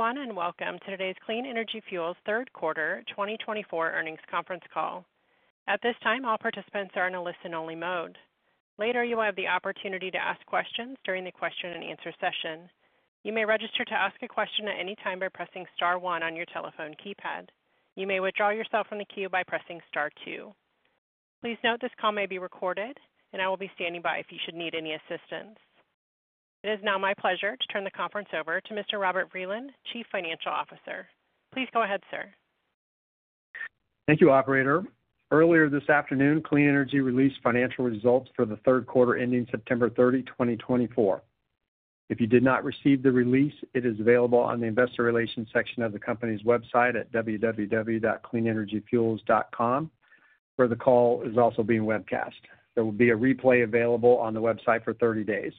Everyone, and welcome to today's Clean Energy Fuels third quarter 2024 earnings conference call. At this time, all participants are in a listen-only mode. Later, you will have the opportunity to ask questions during the question-and-answer session. You may register to ask a question at any time by pressing star one on your telephone keypad. You may withdraw yourself from the queue by pressing star two. Please note this call may be recorded, and I will be standing by if you should need any assistance. It is now my pleasure to turn the conference over to Mr. Robert Vreeland, Chief Financial Officer. Please go ahead, sir. Thank you, Operator. Earlier this afternoon, Clean Energy released financial results for the third quarter ending September 30, 2024. If you did not receive the release, it is available on the Investor Relations section of the company's website at www.cleanenergyfuels.com, where the call is also being webcast. There will be a replay available on the website for 30 days.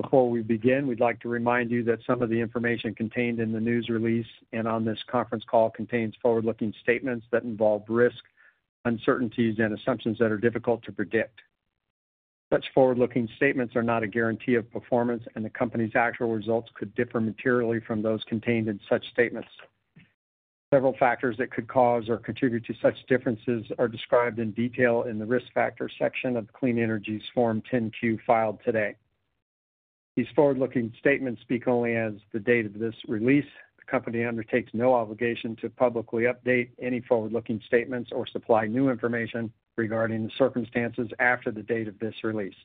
Before we begin, we'd like to remind you that some of the information contained in the news release and on this conference call contains forward-looking statements that involve risk, uncertainties, and assumptions that are difficult to predict. Such forward-looking statements are not a guarantee of performance, and the company's actual results could differ materially from those contained in such statements. Several factors that could cause or contribute to such differences are described in detail in the risk factor section of Clean Energy's Form 10-Q filed today. These forward-looking statements speak only as of the date of this release. The company undertakes no obligation to publicly update any forward-looking statements or supply new information regarding the circumstances after the date of this release.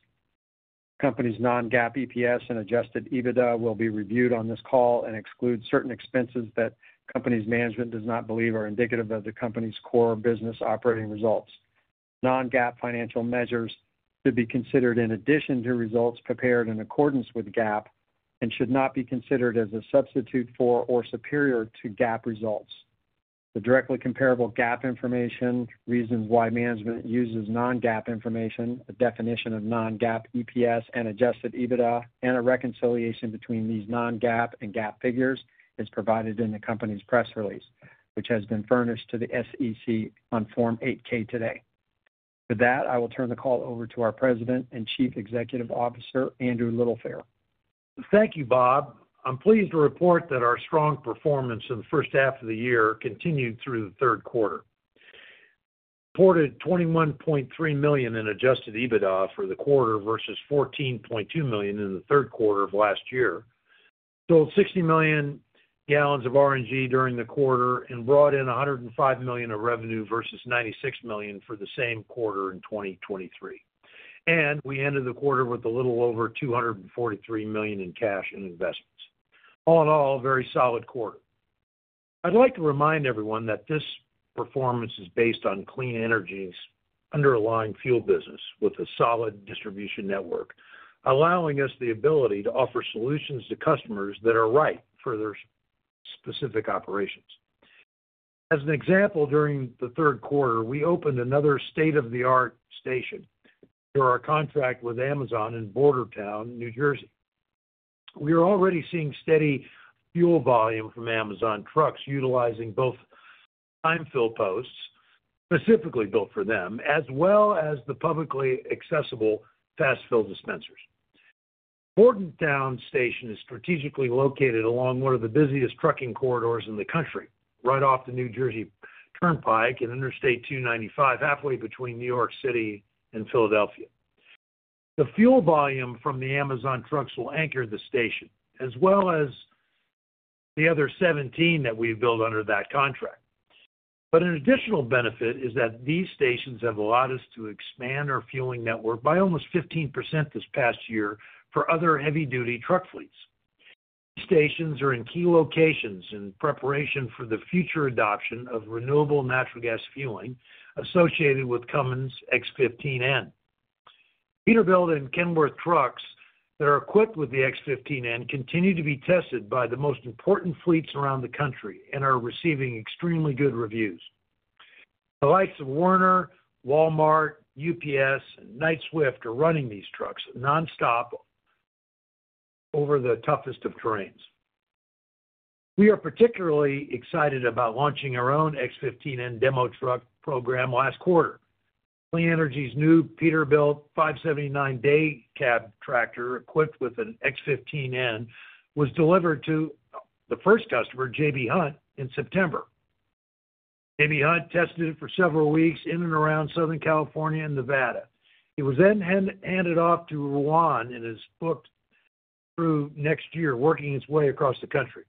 The company's non-GAAP EPS and Adjusted EBITDA will be reviewed on this call and exclude certain expenses that the company's management does not believe are indicative of the company's core business operating results. Non-GAAP financial measures should be considered in addition to results prepared in accordance with GAAP and should not be considered as a substitute for or superior to GAAP results. The directly comparable GAAP information, reasons why management uses non-GAAP information, a definition of non-GAAP EPS and Adjusted EBITDA, and a reconciliation between these non-GAAP and GAAP figures is provided in the company's press release, which has been furnished to the SEC on Form 8-K today. With that, I will turn the call over to our President and Chief Executive Officer, Andrew Littlefair. Thank you, Bob. I'm pleased to report that our strong performance in the first half of the year continued through the third quarter. We reported $21.3 million in Adjusted EBITDA for the quarter versus $14.2 million in the third quarter of last year, sold 60 million gallons of RNG during the quarter, and brought in $105 million of revenue versus $96 million for the same quarter in 2023. We ended the quarter with a little over $243 million in cash and investments. All in all, a very solid quarter. I'd like to remind everyone that this performance is based on Clean Energy's underlying fuel business with a solid distribution network, allowing us the ability to offer solutions to customers that are right for their specific operations. As an example, during the third quarter, we opened another state-of-the-art station through our contract with Amazon in Bordentown, New Jersey. We are already seeing steady fuel volume from Amazon trucks utilizing both time-fill posts, specifically built for them, as well as the publicly accessible fast-fill dispensers. Bordentown station is strategically located along one of the busiest trucking corridors in the country, right off the New Jersey Turnpike and Interstate 295, halfway between New York City and Philadelphia. The fuel volume from the Amazon trucks will anchor the station, as well as the other 17 that we've built under that contract, but an additional benefit is that these stations have allowed us to expand our fueling network by almost 15% this past year for other heavy-duty truck fleets. These stations are in key locations in preparation for the future adoption of renewable natural gas fueling associated with Cummins X15N. Peterbilt and Kenworth trucks that are equipped with the X15N continue to be tested by the most important fleets around the country and are receiving extremely good reviews. The likes of Werner, Walmart, UPS, and Knight-Swift are running these trucks nonstop over the toughest of terrains. We are particularly excited about launching our own X15N demo truck program last quarter. Clean Energy's new Peterbilt 579 day cab tractor, equipped with an X15N, was delivered to the first customer, J.B. Hunt, in September. J.B. Hunt tested it for several weeks in and around Southern California and Nevada. It was then handed off to Ruan and is booked through next year, working its way across the country.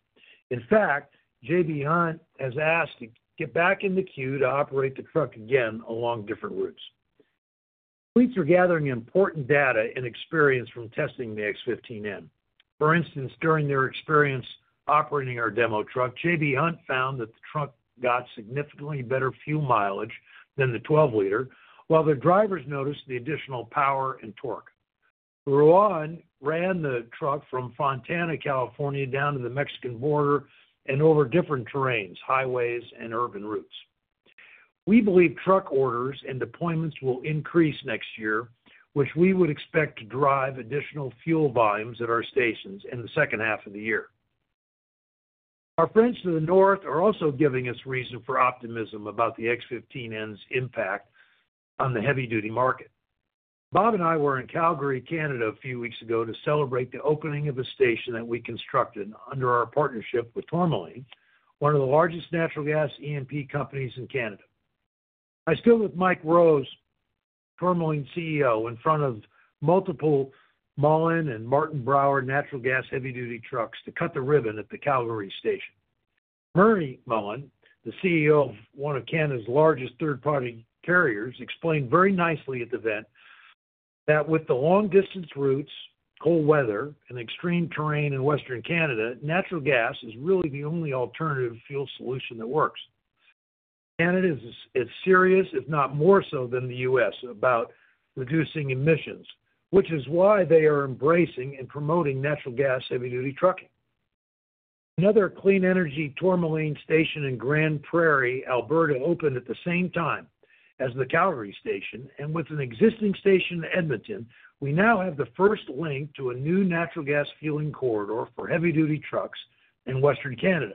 In fact, J.B. Hunt has asked to get back in the queue to operate the truck again along different routes. Fleets are gathering important data and experience from testing the X15N. For instance, during their experience operating our demo truck, J.B. Hunt found that the truck got significantly better fuel mileage than the 12-liter, while the drivers noticed the additional power and torque. Ruan ran the truck from Fontana, California, down to the Mexican border and over different terrains, highways, and urban routes. We believe truck orders and deployments will increase next year, which we would expect to drive additional fuel volumes at our stations in the second half of the year. Our friends to the north are also giving us reason for optimism about the X15N's impact on the heavy-duty market. Bob and I were in Calgary, Canada, a few weeks ago to celebrate the opening of a station that we constructed under our partnership with Tourmaline, one of the largest natural gas E&P companies in Canada. I stood with Mike Rose, Tourmaline CEO, in front of multiple Mullen and Martin Brower natural gas heavy-duty trucks to cut the ribbon at the Calgary station. Murray Mullen, the CEO of one of Canada's largest third-party carriers, explained very nicely at the event that with the long-distance routes, cold weather, and extreme terrain in Western Canada, natural gas is really the only alternative fuel solution that works. Canada is serious, if not more so than the U.S., about reducing emissions, which is why they are embracing and promoting natural gas heavy-duty trucking. Another Clean Energy Tourmaline station in Grande Prairie, Alberta, opened at the same time as the Calgary station, and with an existing station in Edmonton, we now have the first link to a new natural gas fueling corridor for heavy-duty trucks in Western Canada.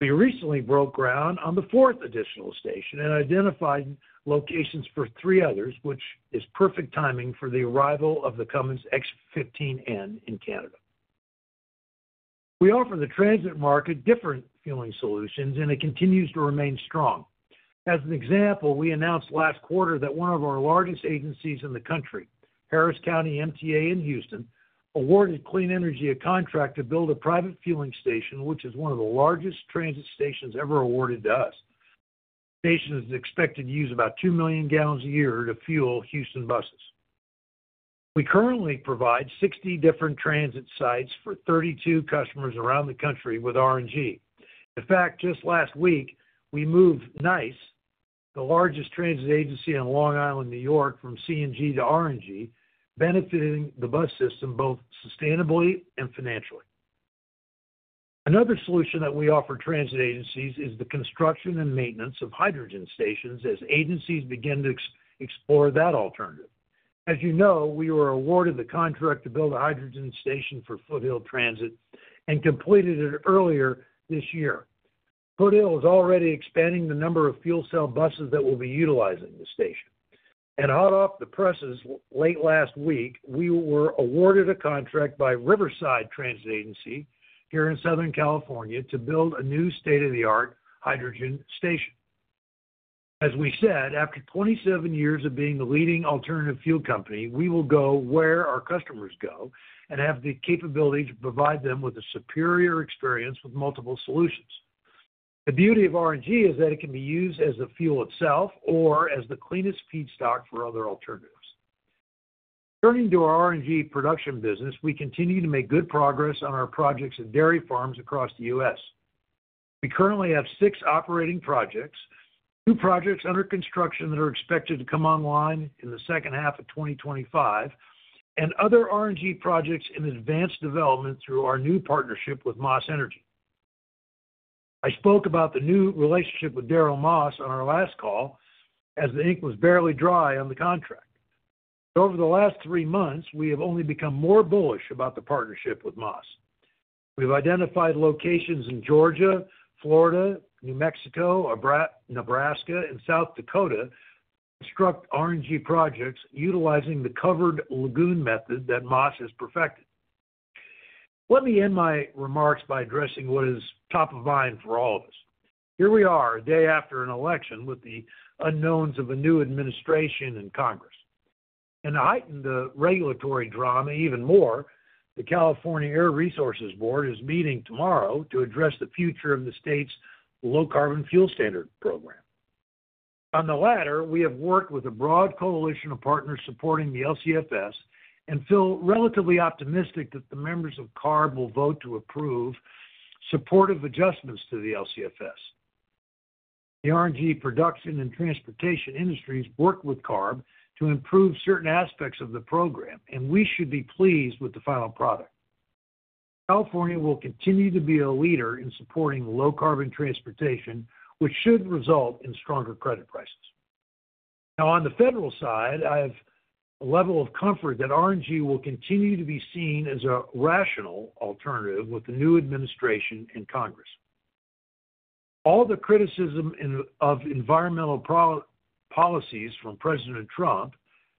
We recently broke ground on the fourth additional station and identified locations for three others, which is perfect timing for the arrival of the Cummins X15N in Canada. We offer the transit market different fueling solutions, and it continues to remain strong. As an example, we announced last quarter that one of our largest agencies in the country, Harris County METRO in Houston, awarded Clean Energy a contract to build a private fueling station, which is one of the largest transit stations ever awarded to us. The station is expected to use about 2 million gallons a year to fuel Houston buses. We currently provide 60 different transit sites for 32 customers around the country with RNG. In fact, just last week, we moved NICE, the largest transit agency in Long Island, New York, from CNG to RNG, benefiting the bus system both sustainably and financially. Another solution that we offer transit agencies is the construction and maintenance of hydrogen stations as agencies begin to explore that alternative. As you know, we were awarded the contract to build a hydrogen station for Foothill Transit and completed it earlier this year. Foothill is already expanding the number of fuel cell buses that will be utilizing the station. And hot off the presses late last week, we were awarded a contract by Riverside Transit Agency here in Southern California to build a new state-of-the-art hydrogen station. As we said, after 27 years of being the leading alternative fuel company, we will go where our customers go and have the capability to provide them with a superior experience with multiple solutions. The beauty of RNG is that it can be used as the fuel itself or as the cleanest feedstock for other alternatives. Turning to our RNG production business, we continue to make good progress on our projects at dairy farms across the U.S. We currently have six operating projects, two projects under construction that are expected to come online in the second half of 2025, and other RNG projects in advanced development through our new partnership with Maas Energy Works. I spoke about the new relationship with Daryl Maas on our last call as the ink was barely dry on the contract. Over the last three months, we have only become more bullish about the partnership with Maas. We've identified locations in Georgia, Florida, New Mexico, Nebraska, and South Dakota to construct RNG projects utilizing the covered lagoon method that Maas has perfected. Let me end my remarks by addressing what is top of mind for all of us. Here we are a day after an election with the unknowns of a new administration and Congress, and to heighten the regulatory drama even more, the California Air Resources Board is meeting tomorrow to address the future of the state's Low Carbon Fuel Standard program. On the latter, we have worked with a broad coalition of partners supporting the LCFS and feel relatively optimistic that the members of CARB will vote to approve supportive adjustments to the LCFS. The RNG production and transportation industries work with CARB to improve certain aspects of the program, and we should be pleased with the final product. California will continue to be a leader in supporting low-carbon transportation, which should result in stronger credit prices. Now, on the federal side, I have a level of comfort that RNG will continue to be seen as a rational alternative with the new administration and Congress. All the criticism of environmental policies from President Trump,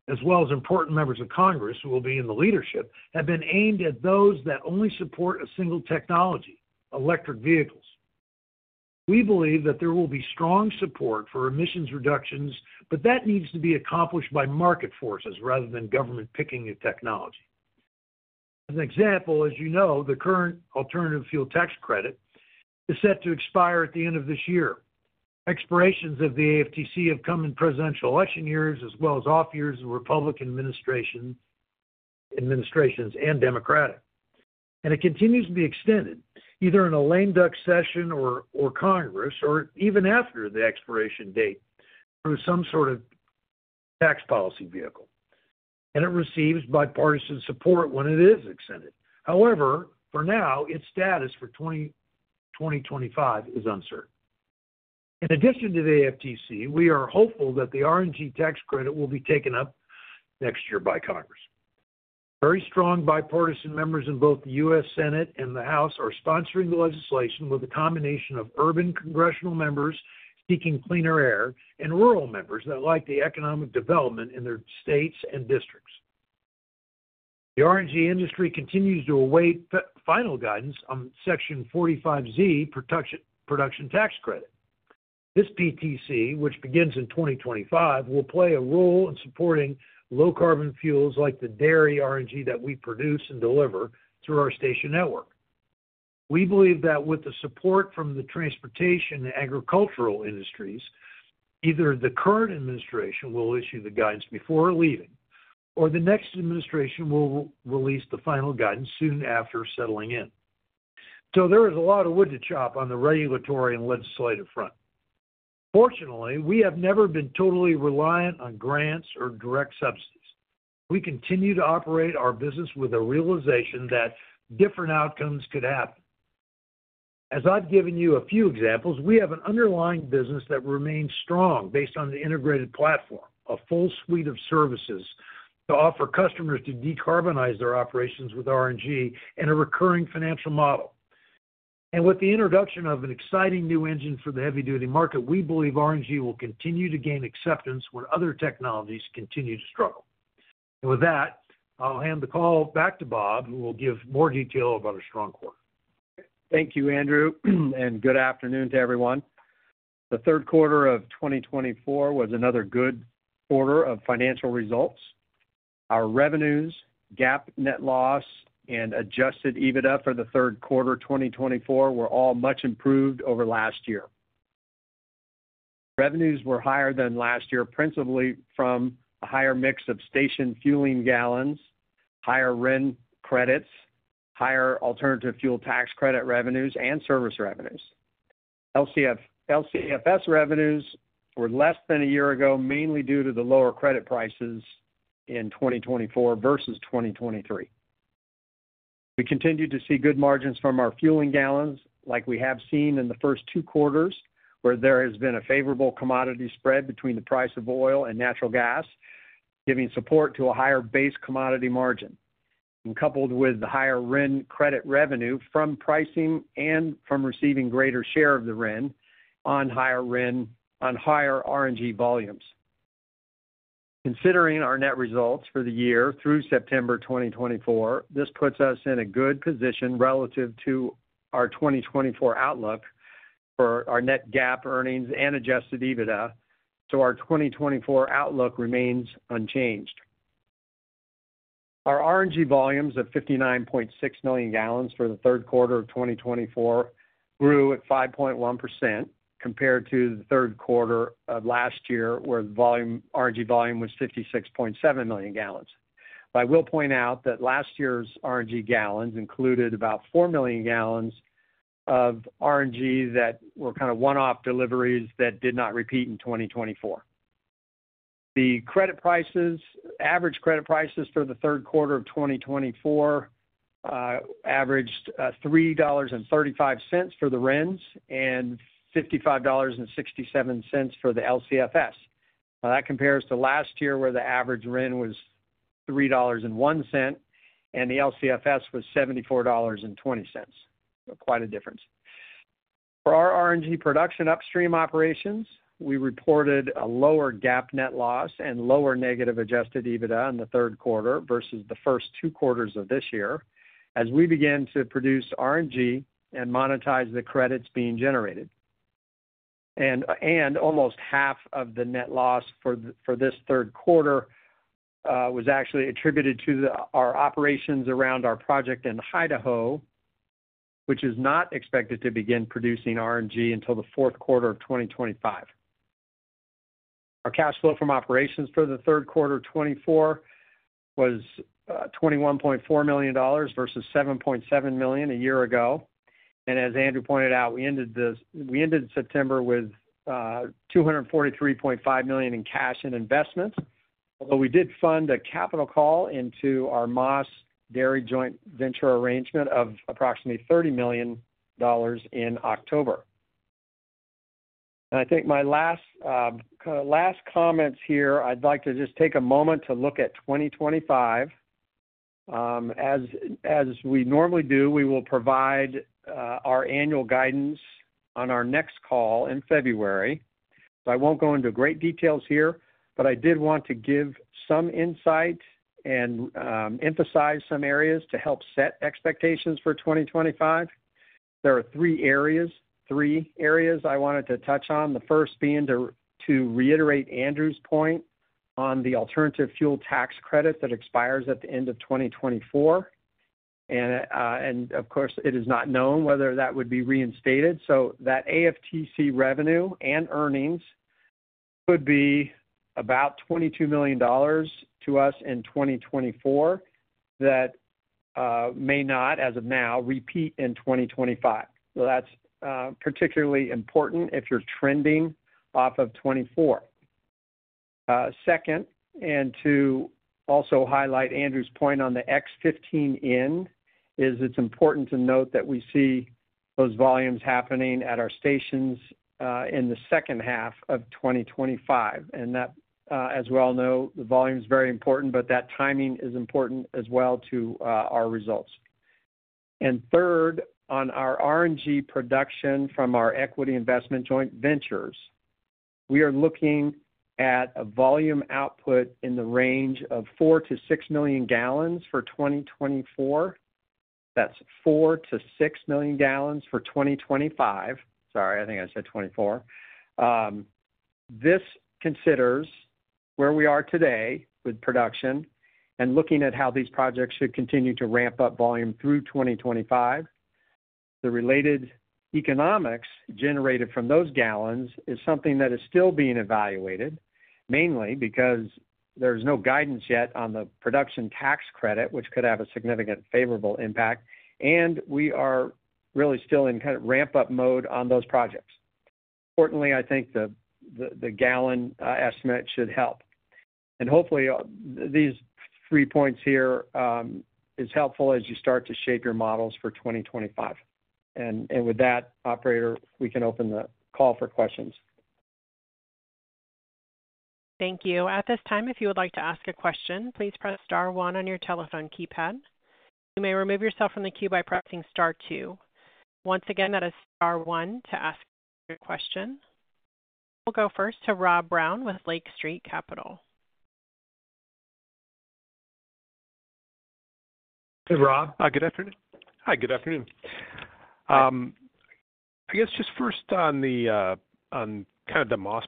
as well as important members of Congress who will be in the leadership, have been aimed at those that only support a single technology, electric vehicles. We believe that there will be strong support for emissions reductions, but that needs to be accomplished by market forces rather than government picking a technology. As an example, as you know, the current alternative fuel tax credit is set to expire at the end of this year. Expirations of the AFTC have come in presidential election years, as well as off-years of Republican administrations and Democratic. And it continues to be extended, either in a lame duck session or Congress, or even after the expiration date through some sort of tax policy vehicle. And it receives bipartisan support when it is extended. However, for now, its status for 2025 is uncertain. In addition to the AFTC, we are hopeful that the RNG tax credit will be taken up next year by Congress. Very strong bipartisan members in both the U.S. Senate and the House are sponsoring the legislation with a combination of urban congressional members seeking cleaner air and rural members that like the economic development in their states and districts. The RNG industry continues to await final guidance on Section 45Z production tax credit. This PTC, which begins in 2025, will play a role in supporting low-carbon fuels like the dairy RNG that we produce and deliver through our station network. We believe that with the support from the transportation and agricultural industries, either the current administration will issue the guidance before leaving, or the next administration will release the final guidance soon after settling in. So there is a lot of wood to chop on the regulatory and legislative front. Fortunately, we have never been totally reliant on grants or direct subsidies. We continue to operate our business with a realization that different outcomes could happen. As I've given you a few examples, we have an underlying business that remains strong based on the integrated platform, a full suite of services to offer customers to decarbonize their operations with RNG and a recurring financial model. And with the introduction of an exciting new engine for the heavy-duty market, we believe RNG will continue to gain acceptance when other technologies continue to struggle. And with that, I'll hand the call back to Bob, who will give more detail about our strong quarter. Thank you, Andrew. And good afternoon to everyone. The third quarter of 2024 was another good quarter of financial results. Our revenues, GAAP net loss, and adjusted EBITDA for the third quarter 2024 were all much improved over last year. Revenues were higher than last year, principally from a higher mix of station fueling gallons, higher RIN credits, higher alternative fuel tax credit revenues, and service revenues. LCFS revenues were less than a year ago, mainly due to the lower credit prices in 2024 versus 2023. We continue to see good margins from our fueling gallons, like we have seen in the first two quarters, where there has been a favorable commodity spread between the price of oil and natural gas, giving support to a higher base commodity margin. And coupled with the higher RIN credit revenue from pricing and from receiving a greater share of the RIN on higher RIN, on higher RNG volumes. Considering our net results for the year through September 2024, this puts us in a good position relative to our 2024 outlook for our net GAAP earnings and adjusted EBITDA. So our 2024 outlook remains unchanged. Our RNG volumes of 59.6 million gallons for the third quarter of 2024 grew at 5.1% compared to the third quarter of last year, where the RNG volume was 56.7 million gallons. But I will point out that last year's RNG gallons included about 4 million gallons of RNG that were kind of one-off deliveries that did not repeat in 2024. The credit prices, average credit prices for the third quarter of 2024 averaged $3.35 for the RINs and $55.67 for the LCFS. Now, that compares to last year where the average RIN was $3.01 and the LCFS was $74.20. Quite a difference. For our RNG production upstream operations, we reported a lower GAAP net loss and lower negative Adjusted EBITDA in the third quarter versus the first two quarters of this year as we began to produce RNG and monetize the credits being generated. And almost half of the net loss for this third quarter was actually attributed to our operations around our project in Idaho, which is not expected to begin producing RNG until the fourth quarter of 2025. Our cash flow from operations for the third quarter of 2024 was $21.4 million versus $7.7 million a year ago. And as Andrew pointed out, we ended September with $243.5 million in cash and investments, although we did fund a capital call into our Maas Dairy Joint Venture arrangement of approximately $30 million in October. I think my last comments here, I'd like to just take a moment to look at 2025. As we normally do, we will provide our annual guidance on our next call in February. So I won't go into great details here, but I did want to give some insight and emphasize some areas to help set expectations for 2025. There are three areas I wanted to touch on, the first being to reiterate Andrew's point on the alternative fuel tax credit that expires at the end of 2024. And of course, it is not known whether that would be reinstated. So that AFTC revenue and earnings could be about $22 million to us in 2024, that may not, as of now, repeat in 2025. So that's particularly important if you're trending off of '24. Second, and to also highlight Andrew's point on the X15N, it's important to note that we see those volumes happening at our stations in the second half of 2025. As we all know, the volume is very important, but that timing is important as well to our results. Third, on our RNG production from our equity investment joint ventures, we are looking at a volume output in the range of four to six million gallons for 2024. That's four to six million gallons for 2025. Sorry, I think I said 2024. This considers where we are today with production and looking at how these projects should continue to ramp up volume through 2025. The related economics generated from those gallons is something that is still being evaluated, mainly because there's no guidance yet on the production tax credit, which could have a significant favorable impact. And we are really still in kind of ramp-up mode on those projects. Importantly, I think the gallon estimate should help. And hopefully, these three points here are helpful as you start to shape your models for 2025. And with that, Operator, we can open the call for questions. Thank you. At this time, if you would like to ask a question, please press star one on your telephone keypad. You may remove yourself from the queue by pressing star two. Once again, that is Star 1 to ask your question. We'll go first to Rob Brown with Lake Street Capital Markets. Hey, Rob. Hi, good afternoon. Hi, good afternoon. I guess just first on kind of the Maas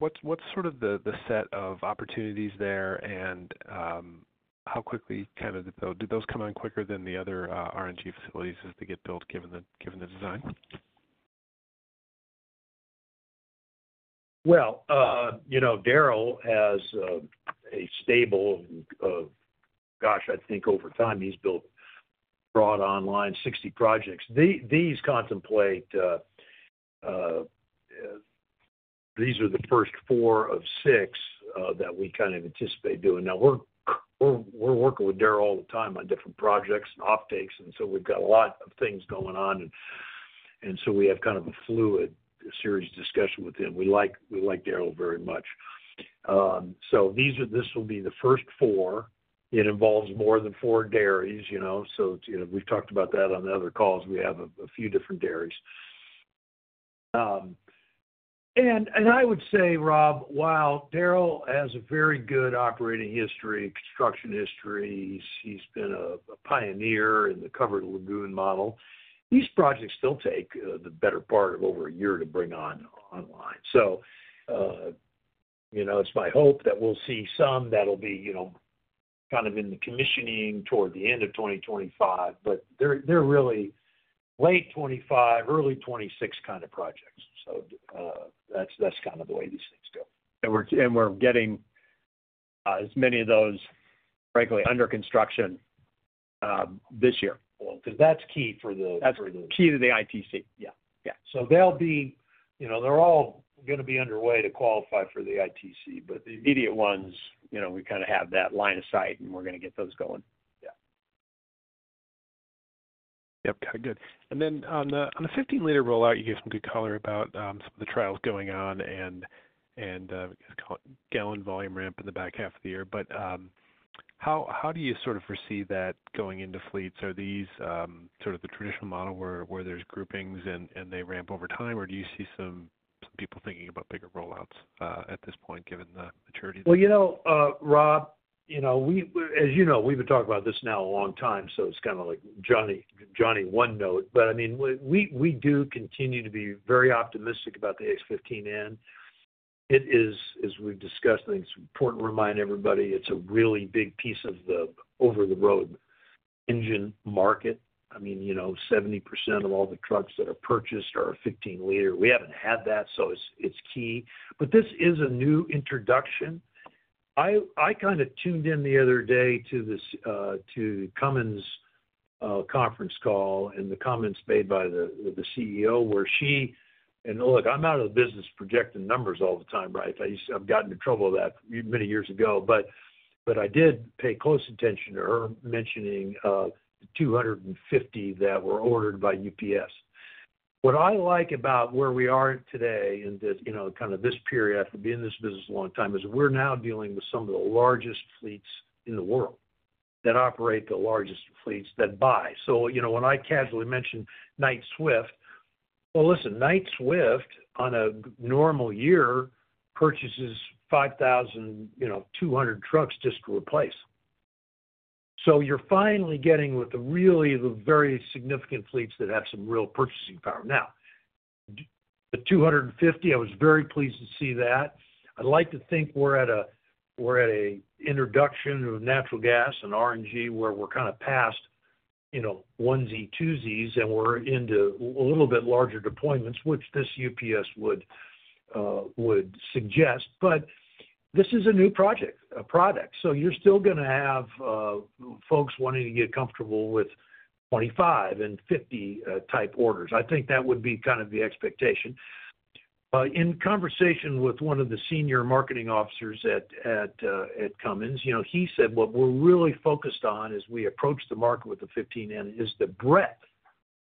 partnership, what's sort of the set of opportunities there and how quickly kind of did those come in quicker than the other RNG facilities as they get built, given the design? Darrell has a stable of, gosh, I think over time he's built a broad lineup of 60 projects. These contemplate, these are the first four of six that we kind of anticipate doing. Now, we're working with Darrell all the time on different projects and offtakes, and so we've got a lot of things going on. And so we have kind of a fluid series of discussions with him. We like Darrell very much. This will be the first four. It involves more than four dairies. We've talked about that on the other calls. We have a few different dairies. And I would say, Rob, while Darrell has a very good operating history, construction history, he's been a pioneer in the covered lagoon model, these projects still take the better part of over a year to bring online. So it's my hope that we'll see some that'll be kind of in the commissioning toward the end of 2025, but they're really late 2025, early 2026 kind of projects. So that's kind of the way these things go. And we're getting as many of those, frankly, under construction this year. Because that's key to the ITC. Yeah. Yeah. So they're all going to be underway to qualify for the ITC, but the immediate ones, we kind of have that line of sight, and we're going to get those going. Yeah. Yep. Okay. Good. And then on the 15-liter rollout, you gave some good color about some of the trials going on and gallon volume ramp in the back half of the year. But how do you sort of foresee that going into fleets? Are these sort of the traditional model where there's groupings and they ramp over time, or do you see some people thinking about bigger rollouts at this point, given the maturity? Well, you know, Rob, as you know, we've been talking about this now a long time, so it's kind of like Johnny one note. But I mean, we do continue to be very optimistic about the X15N. It is, as we've discussed, and it's important to remind everybody, it's a really big piece of the over-the-road engine market. I mean, 70% of all the trucks that are purchased are 15-liter. We haven't had that, so it's key. But this is a new introduction. I kind of tuned in the other day to Cummins' conference call and the comments made by the CEO, where she, and look, I'm out of the business projecting numbers all the time, right? I've gotten in trouble with that many years ago, but I did pay close attention to her mentioning the 250 that were ordered by UPS. What I like about where we are today in kind of this period after being in this business a long time is we're now dealing with some of the largest fleets in the world that operate the largest fleets that buy. So when I casually mentioned Knight-Swift, well, listen, Knight-Swift on a normal year purchases 5,200 trucks just to replace. So you're finally getting with really the very significant fleets that have some real purchasing power. Now, the 250, I was very pleased to see that. I'd like to think we're at an introduction of natural gas and RNG where we're kind of past onesies, twosies, and we're into a little bit larger deployments, which this UPS would suggest. But this is a new project, a product. So you're still going to have folks wanting to get comfortable with 25- and 50-type orders. I think that would be kind of the expectation. In conversation with one of the senior marketing officers at Cummins, he said, "What we're really focused on as we approach the market with the 15N is the breadth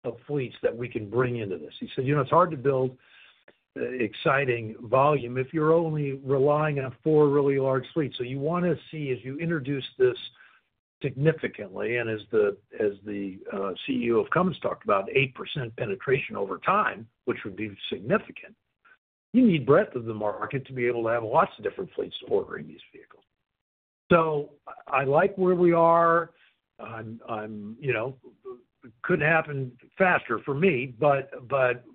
of fleets that we can bring into this." He said, "It's hard to build exciting volume if you're only relying on four really large fleets." So you want to see as you introduce this significantly, and as the CEO of Cummins talked about, 8% penetration over time, which would be significant, you need breadth of the market to be able to have lots of different fleets ordering these vehicles. So I like where we are. It couldn't happen faster for me, but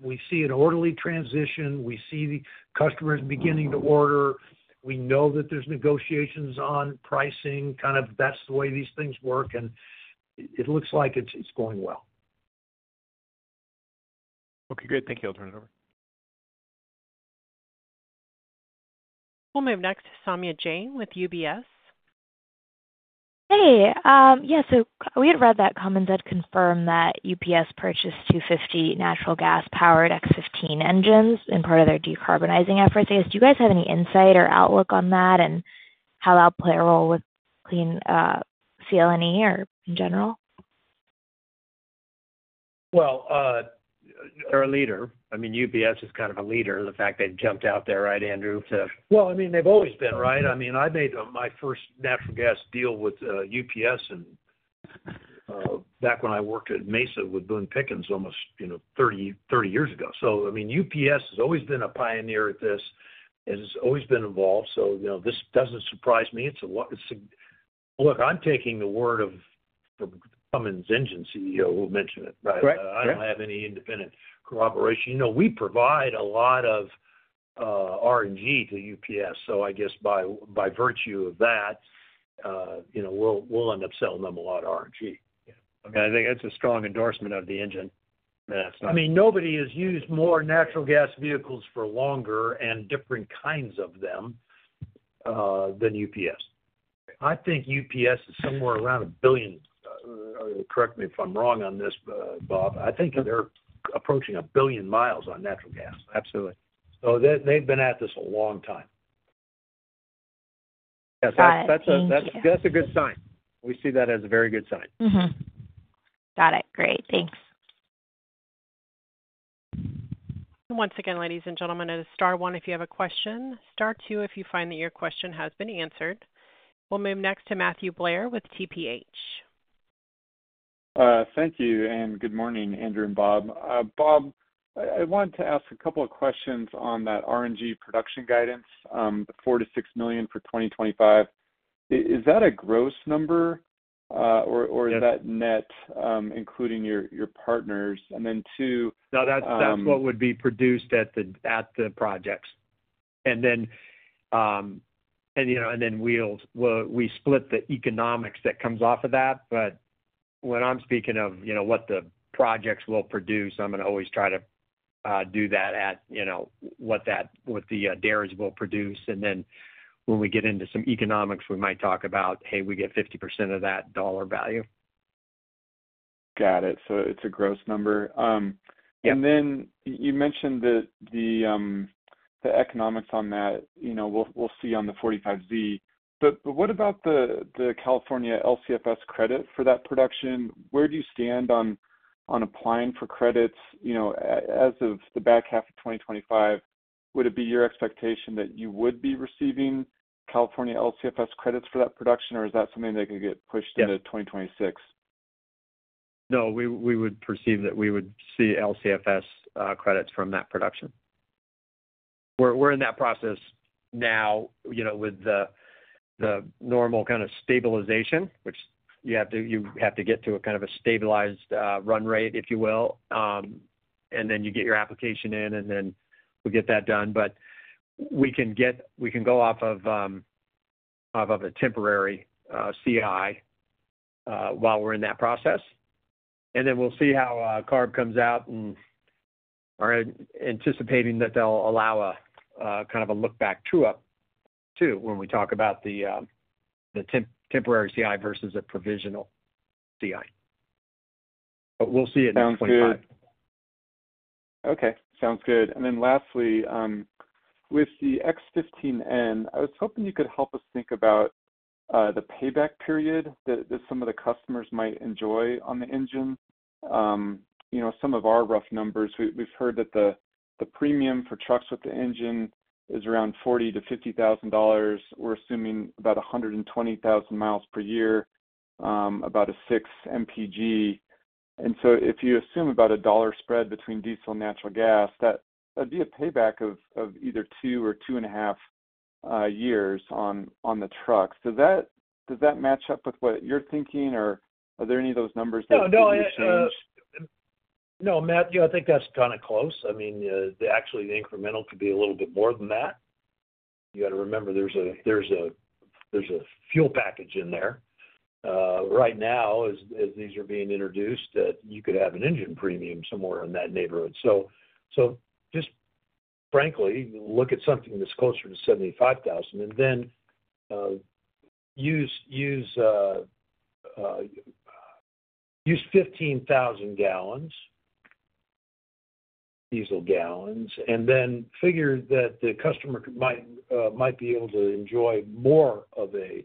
we see an orderly transition. We see the customers beginning to order. We know that there's negotiations on pricing. Kind of that's the way these things work, and it looks like it's going well. Okay. Good. Thank you. I'll turn it over. We'll move next to Saumya Jain with UBS. Hey. Yeah. So we had read that Cummins had confirmed that UPS purchased 250 natural gas-powered X15N engines in part of their decarbonizing efforts. I guess, do you guys have any insight or outlook on that and how that'll play a role with clean fuel in general? Well, they're a leader. I mean, UPS is kind of a leader, the fact they jumped out there, right, Andrew? Well, I mean, they've always been, right? I mean, I made my first natural gas deal with UPS back when I worked at Mesa with Boone Pickens almost 30 years ago. So I mean, UPS has always been a pioneer at this. It has always been involved. So this doesn't surprise me. Look, I'm taking the word of Cummins' engine CEO who mentioned it, right? I don't have any independent corroboration. We provide a lot of RNG to UPS. So I guess by virtue of that, we'll end up selling them a lot of RNG. Yeah. I mean, I think that's a strong endorsement of the engine. I mean, nobody has used more natural gas vehicles for longer and different kinds of them than UPS. I think UPS is somewhere around a billion. Correct me if I'm wrong on this, Bob. I think they're approaching a billion miles on natural gas. Absolutely. So they've been at this a long time. That's a good sign. We see that as a very good sign. Got it. Great. Thanks. And once again, ladies and gentlemen, it is star one if you have a question, star two if you find that your question has been answered. We'll move next to Matthew Blair with TPH. Thank you. And good morning, Andrew and Bob. Bob, I wanted to ask a couple of questions on that RNG production guidance, the 4-6 million for 2025. Is that a gross number, or is that net, including your partners? And then two. No, that's what would be produced at the projects. And then we'll split the economics that comes off of that. But when I'm speaking of what the projects will produce, I'm going to always try to do that at what the dairies will produce. And then when we get into some economics, we might talk about, "Hey, we get 50% of that dollar value." Got it. So it's a gross number. And then you mentioned the economics on that. We'll see on the 45Z. But what about the California LCFS credit for that production? Where do you stand on applying for credits as of the back half of 2025? Would it be your expectation that you would be receiving California LCFS credits for that production, or is that something that could get pushed into 2026? No, we would perceive that we would see LCFS credits from that production. We're in that process now with the normal kind of stabilization, which you have to get to a kind of a stabilized run rate, if you will. And then you get your application in, and then we'll get that done. But we can go off of a temporary CI while we're in that process. And then we'll see how CARB comes out. We're anticipating that they'll allow kind of a look back to us too when we talk about the temporary CI versus a provisional CI. We'll see it in 2025. Sounds good. Okay. Sounds good. Then lastly, with the X15N, I was hoping you could help us think about the payback period that some of the customers might enjoy on the engine. Some of our rough numbers, we've heard that the premium for trucks with the engine is around $40,000-$50,000. We're assuming about 120,000 miles per year, about a 6 MPG. And so if you assume about a $1 spread between diesel and natural gas, that would be a payback of either two or two and a half years on the trucks. Does that match up with what you're thinking, or are there any of those numbers that you're appreciating? No, Matthew, I think that's kind of close. I mean, actually, the incremental could be a little bit more than that. You got to remember there's a fuel package in there. Right now, as these are being introduced, you could have an engine premium somewhere in that neighborhood. So just frankly, look at something that's closer to 75,000, and then use 15,000 diesel gallons, and then figure that the customer might be able to enjoy more of a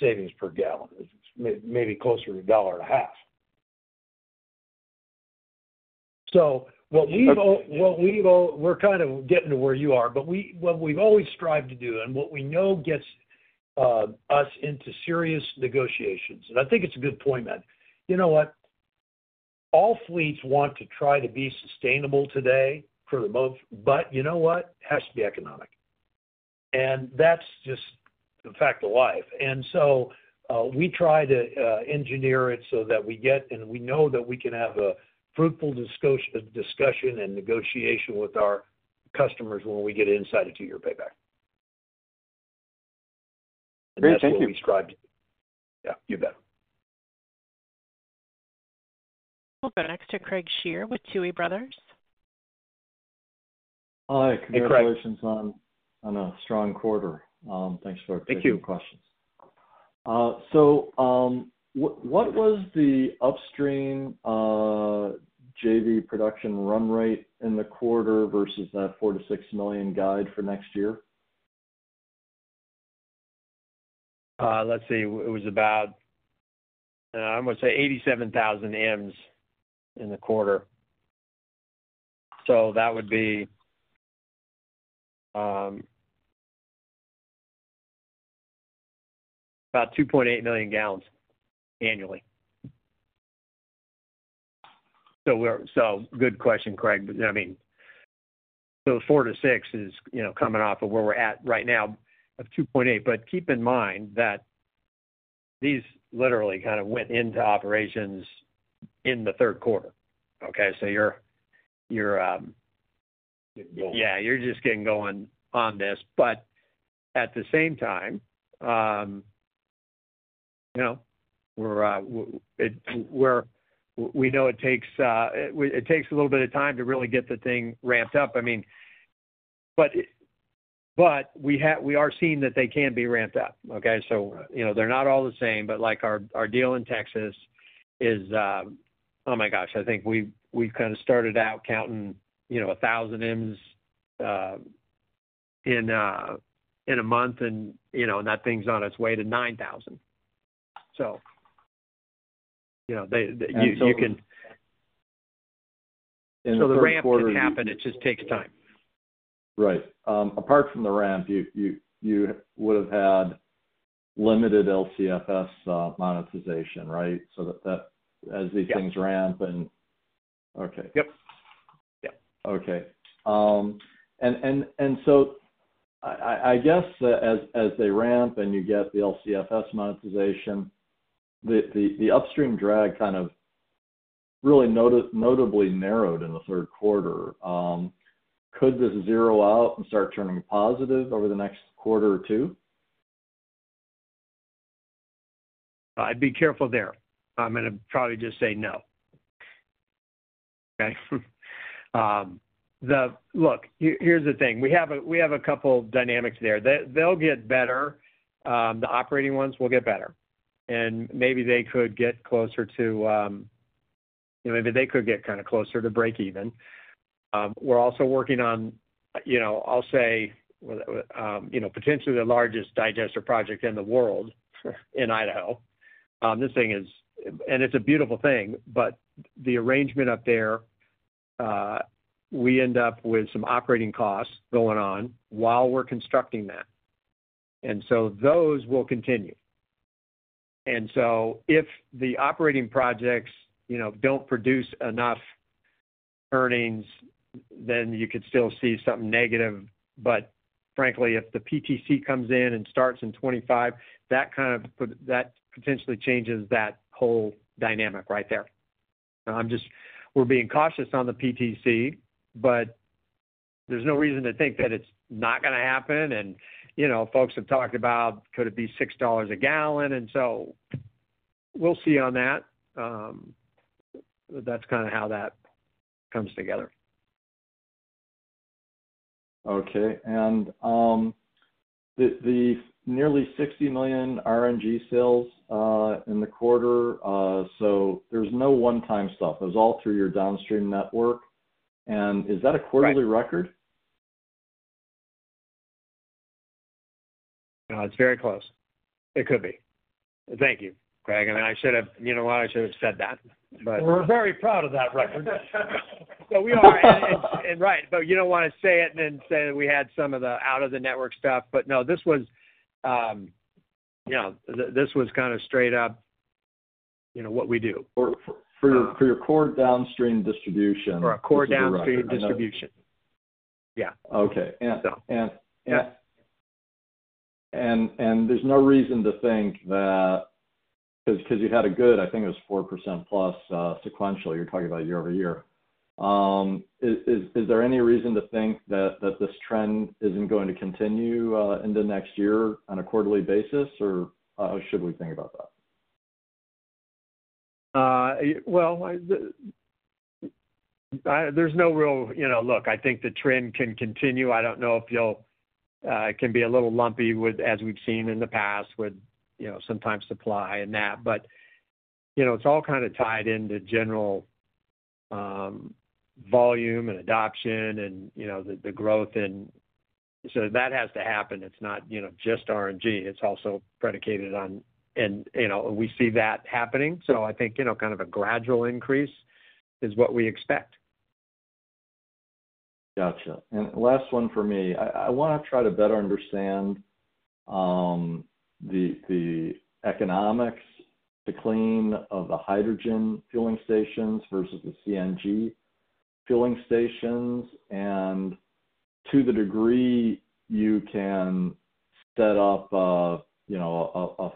savings per gallon, maybe closer to $1.50. So we're kind of getting to where you are, but what we've always strived to do, and what we know gets us into serious negotiations. I think it's a good point, Matt. You know what? All fleets want to try to be sustainable today for the most part, but you know what? It has to be economic. And that's just the fact of life. And so we try to engineer it so that we get, and we know that we can have a fruitful discussion and negotiation with our customers when we get inside a two-year payback. That's what we strived to do. Yeah. You bet. We'll go next to Craig Shere with Tuohy Brothers. Hi, congratulations on a strong quarter. Thanks for taking the questions. So what was the upstream JV production run rate in the quarter versus that 4-6 million guide for next year? Let's see. It was about, I'm going to say, 87,000 MMBtu in the quarter. So that would be about 2.8 million gallons annually. So good question, Craig. I mean, so 4-6 is coming off of where we're at right now of 2.8. But keep in mind that these literally kind of went into operations in the third quarter. Okay? So you're getting going. Yeah. You're just getting going on this. But at the same time, we know it takes a little bit of time to really get the thing ramped up. I mean, but we are seeing that they can be ramped up. Okay? So they're not all the same, but our deal in Texas is, oh my gosh, I think we've kind of started out counting 1,000 Ms in a month, and that thing's on its way to 9,000. So you can, so the ramp can happen. It just takes time. Right. Apart from the ramp, you would have had limited LCFS monetization, right? So as these things ramp and, okay. Yep. Yep. Okay. And so, I guess as they ramp and you get the LCFS monetization, the upstream drag kind of really notably narrowed in the third quarter. Could this zero out and start turning positive over the next quarter or two? I'd be careful there. I'm going to probably just say no. Okay? Look, here's the thing. We have a couple of dynamics there. They'll get better. The operating ones will get better. And maybe they could get closer to, maybe they could get kind of closer to break even. We're also working on, I'll say, potentially the largest digester project in the world in Idaho. This thing is, and it's a beautiful thing, but the arrangement up there, we end up with some operating costs going on while we're constructing that. And so those will continue. And so if the operating projects don't produce enough earnings, then you could still see something negative. But frankly, if the PTC comes in and starts in 2025, that kind of potentially changes that whole dynamic right there. We're being cautious on the PTC, but there's no reason to think that it's not going to happen. And folks have talked about, could it be $6 a gallon? And so we'll see on that. That's kind of how that comes together. Okay. And the nearly 60 million RNG sales in the quarter, so there's no one-time stuff. It was all through your downstream network. And is that a quarterly record? It's very close. It could be. Thank you, Craig. And I should have, you know what? I should have said that, but we're very proud of that record. So we are, right. But you don't want to say it and then say that we had some of the out-of-the-network stuff. But no, this was kind of straight up what we do. For our core downstream distribution. Yeah. Okay. And there's no reason to think that because you had a good, I think it was 4% plus sequential. You're talking about year over year. Is there any reason to think that this trend isn't going to continue into next year on a quarterly basis, or should we think about that? Well, look, I think the trend can continue. I don't know if it can be a little lumpy, as we've seen in the past, with sometimes supply and that. But it's all kind of tied into general volume and adoption and the growth. And so that has to happen. It's not just RNG. It's also predicated on, and we see that happening. So I think kind of a gradual increase is what we expect. Gotcha. And last one for me. I want to try to better understand the economics of clean hydrogen fueling stations versus the CNG fueling stations, and to the degree you can set up a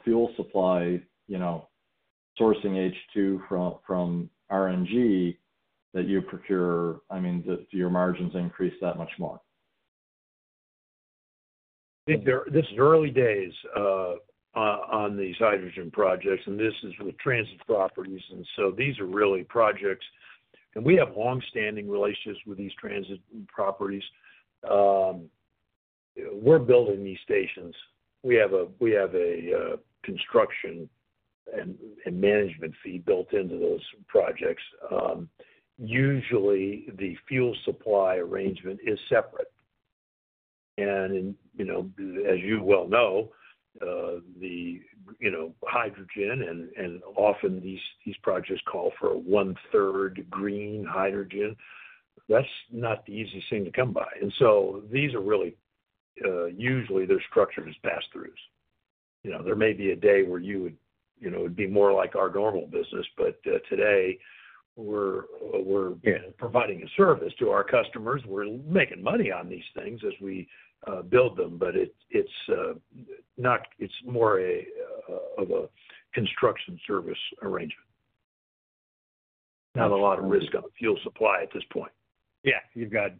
fuel supply sourcing H2 from RNG that you procure, I mean, do your margins increase that much more? This is early days on these hydrogen projects, and this is with transit properties, and so these are really projects, and we have long-standing relations with these transit properties. We're building these stations. We have a construction and management fee built into those projects. Usually, the fuel supply arrangement is separate, and as you well know, the hydrogen, and often these projects call for a one-third green hydrogen, that's not the easiest thing to come by, and so these are really, usually, they're structured as pass-throughs. There may be a day where you would be more like our normal business, but today, we're providing a service to our customers. We're making money on these things as we build them, but it's more of a construction service arrangement. Not a lot of risk on the fuel supply at this point. You've got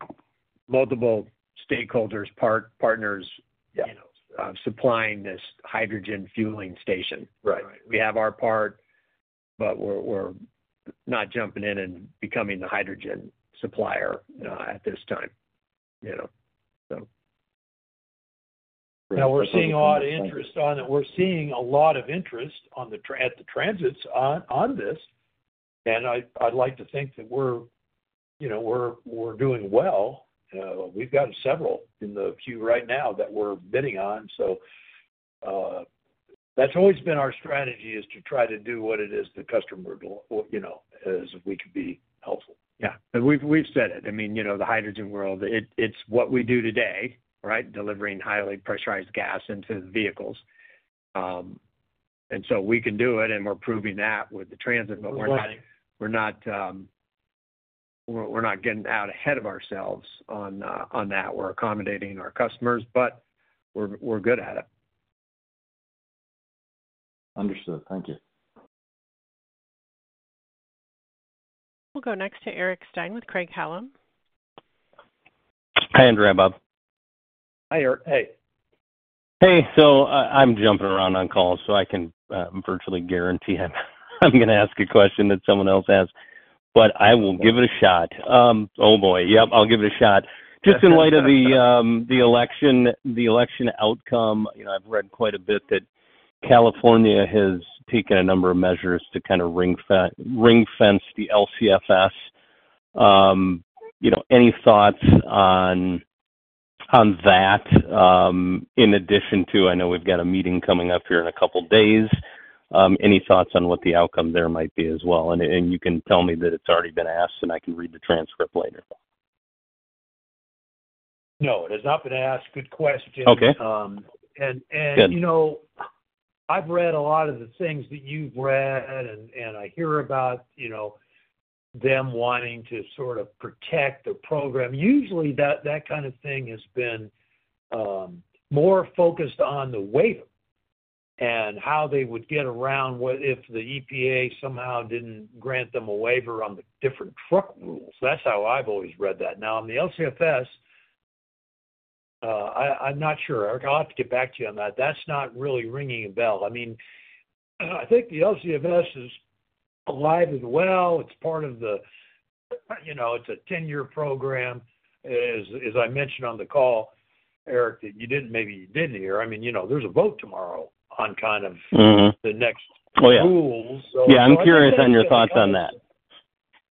multiple stakeholders, partners supplying this hydrogen fueling station. We have our part, but we're not jumping in and becoming the hydrogen supplier at this time. Now, we're seeing a lot of interest on it. We're seeing a lot of interest at the transits on this, and I'd like to think that we're doing well. We've got several in the queue right now that we're bidding on, so that's always been our strategy, is to try to do what it is the customer as if we could be helpful, and we've said it. I mean, the hydrogen world, it's what we do today, right? Delivering highly pressurized gas into the vehicles. And so we can do it, and we're proving that with the transit, but we're not getting out ahead of ourselves on that. We're accommodating our customers, but we're good at it. Understood. Thank you. We'll go next to Eric Stine with Craig Hallum. Hi, Andrew, Robert. Hi, Eric. Hey. Hey. So I'm jumping around on call, so I can virtually guarantee I'm going to ask a question that someone else has. But I will give it a shot. Oh boy. Yep. I'll give it a shot. Just in light of the election outcome, I've read quite a bit that California has taken a number of measures to kind of ring-fence the LCFS. Any thoughts on that? In addition to, I know we've got a meeting coming up here in a couple of days. Any thoughts on what the outcome there might be as well? And you can tell me that it's already been asked, and I can read the transcript later. No, it has not been asked. Good question. And I've read a lot of the things that you've read, and I hear about them wanting to sort of protect the program. Usually, that kind of thing has been more focused on the waiver and how they would get around if the EPA somehow didn't grant them a waiver on the different truck rules. That's how I've always read that. Now, on the LCFS, I'm not sure. I'll have to get back to you on that. That's not really ringing a bell. I mean, I think the LCFS is alive and well. It's part of the, it's a 10-year program. As I mentioned on the call, Eric, that you didn't, maybe you didn't hear. I mean, there's a vote tomorrow on kind of the next rules. Yeah. I'm curious on your thoughts on that.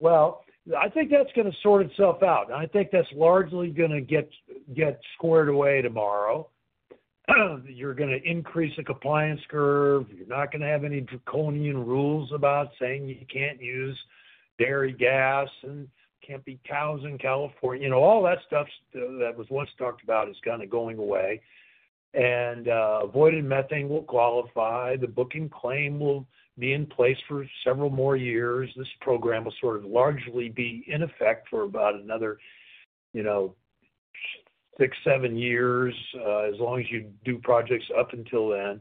Well, I think that's going to sort itself out. And I think that's largely going to get squared away tomorrow. You're going to increase the compliance curve. You're not going to have any draconian rules about saying you can't use dairy gas and can't be cows in California. All that stuff that was once talked about is kind of going away. And avoided methane will qualify. The book and claim will be in place for several more years. This program will sort of largely be in effect for about another six, seven years as long as you do projects up until then.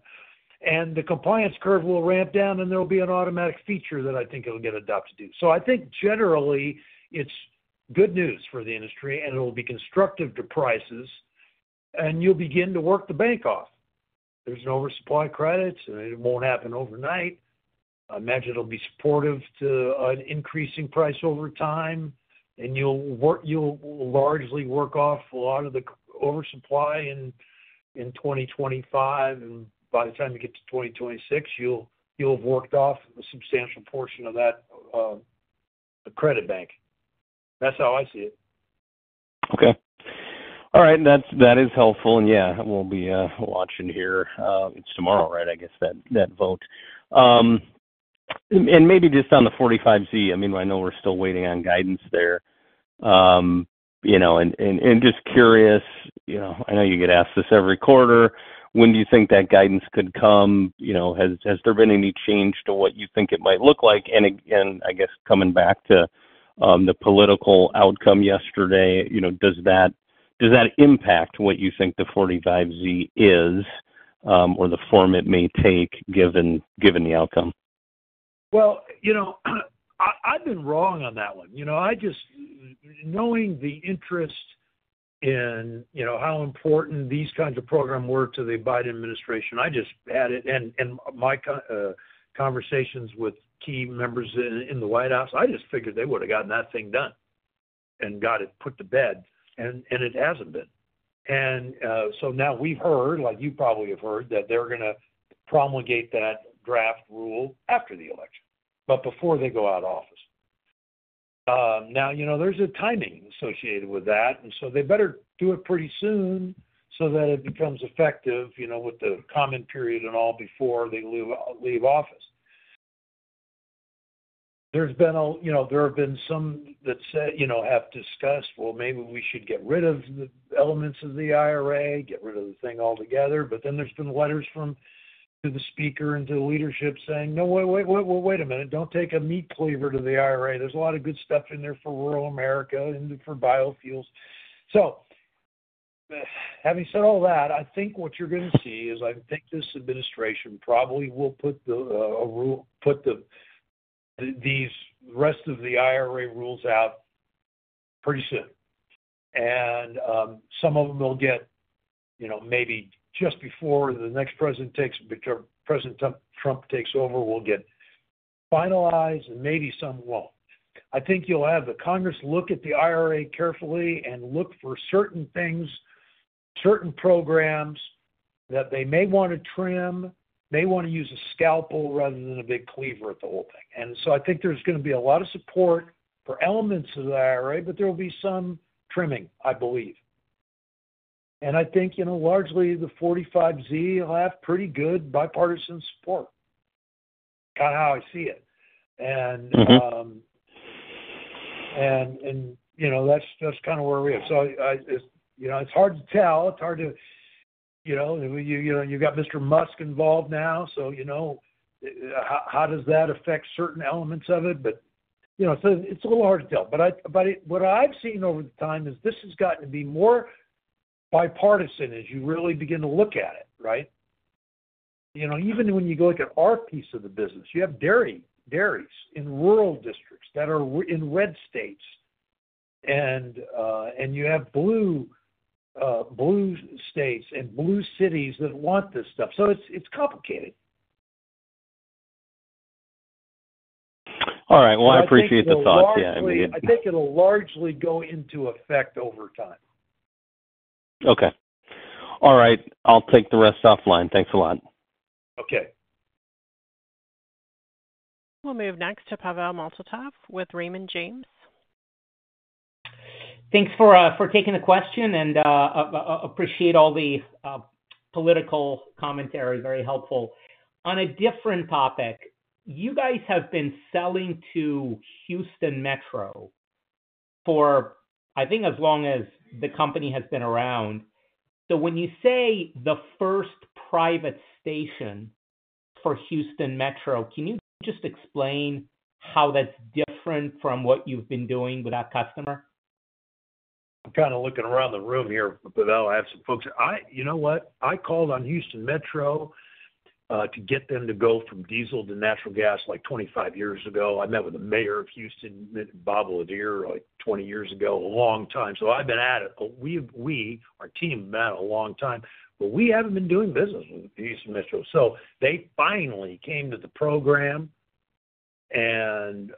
The compliance curve will ramp down, and there'll be an automatic feature that I think it'll get adopted to. I think generally, it's good news for the industry, and it'll be constructive to prices, and you'll begin to work the bank off. There's an oversupply credit, and it won't happen overnight. I imagine it'll be supportive to an increasing price over time, and you'll largely work off a lot of the oversupply in 2025. By the time you get to 2026, you'll have worked off a substantial portion of that credit bank. That's how I see it. Okay. All right. That is helpful. Yeah, we'll be watching here. It's tomorrow, right, I guess, that vote. Maybe just on the 45Z, I mean, I know we're still waiting on guidance there. Just curious, I know you get asked this every quarter. When do you think that guidance could come? Has there been any change to what you think it might look like? And again, I guess coming back to the political outcome yesterday, does that impact what you think the 45Z is or the form it may take given the outcome? Well, I've been wrong on that one. Knowing the interest in how important these kinds of programs were to the Biden administration, I just had it. And my conversations with key members in the White House, I just figured they would have gotten that thing done and got it put to bed. And it hasn't been. And so now we've heard, like you probably have heard, that they're going to promulgate that draft rule after the election, but before they go out of office. Now, there's a timing associated with that, and so they better do it pretty soon so that it becomes effective with the comment period and all before they leave office. There have been some that have discussed, "Well, maybe we should get rid of the elements of the IRA, get rid of the thing altogether." But then there's been letters to the speaker and to the leadership saying, "No, wait, wait, wait, wait, wait, wait, wait, wait, wait, wait, a minute. Don't take a meat cleaver to the IRA. There's a lot of good stuff in there for rural America and for biofuels." So having said all that, I think what you're going to see is I think this administration probably will put the rest of the IRA rules out pretty soon. And some of them will get maybe just before the next president takes over. We'll get finalized, and maybe some won't. I think you'll have Congress look at the IRA carefully and look for certain things, certain programs that they may want to trim, may want to use a scalpel rather than a big cleaver at the whole thing. And so I think there's going to be a lot of support for elements of the IRA, but there will be some trimming, I believe. And I think largely the 45Z will have pretty good bipartisan support, kind of how I see it. And that's kind of where we are. So it's hard to tell. It's hard to, you've got Mr. Musk involved now, so how does that affect certain elements of it? But it's a little hard to tell. But what I've seen over the time is this has gotten to be more bipartisan as you really begin to look at it, right? Even when you go look at our piece of the business, you have dairies in rural districts that are in red states, and you have blue states and blue cities that want this stuff. So it's complicated. All right. Well, I appreciate the thoughts. Yeah. I mean, I think it'll largely go into effect over time. Okay. All right. I'll take the rest offline. Thanks a lot. Okay. We'll move next to Pavel Molchanov with Raymond James. Thanks for taking the question, and I appreciate all the political commentary. Very helpful. On a different topic, you guys have been selling to Houston METRO for, I think, as long as the company has been around. So when you say the first private station for Houston Metro, can you just explain how that's different from what you've been doing with that customer? I'm kind of looking around the room here, but I'll have some folks. You know what? I called on Houston Metro to get them to go from diesel to natural gas like 25 years ago. I met with the mayor of Houston, Bob Lanier, like 20 years ago, a long time. So I've been at it. We, our team, met a long time, but we haven't been doing business with Houston Metro. So they finally came to the program and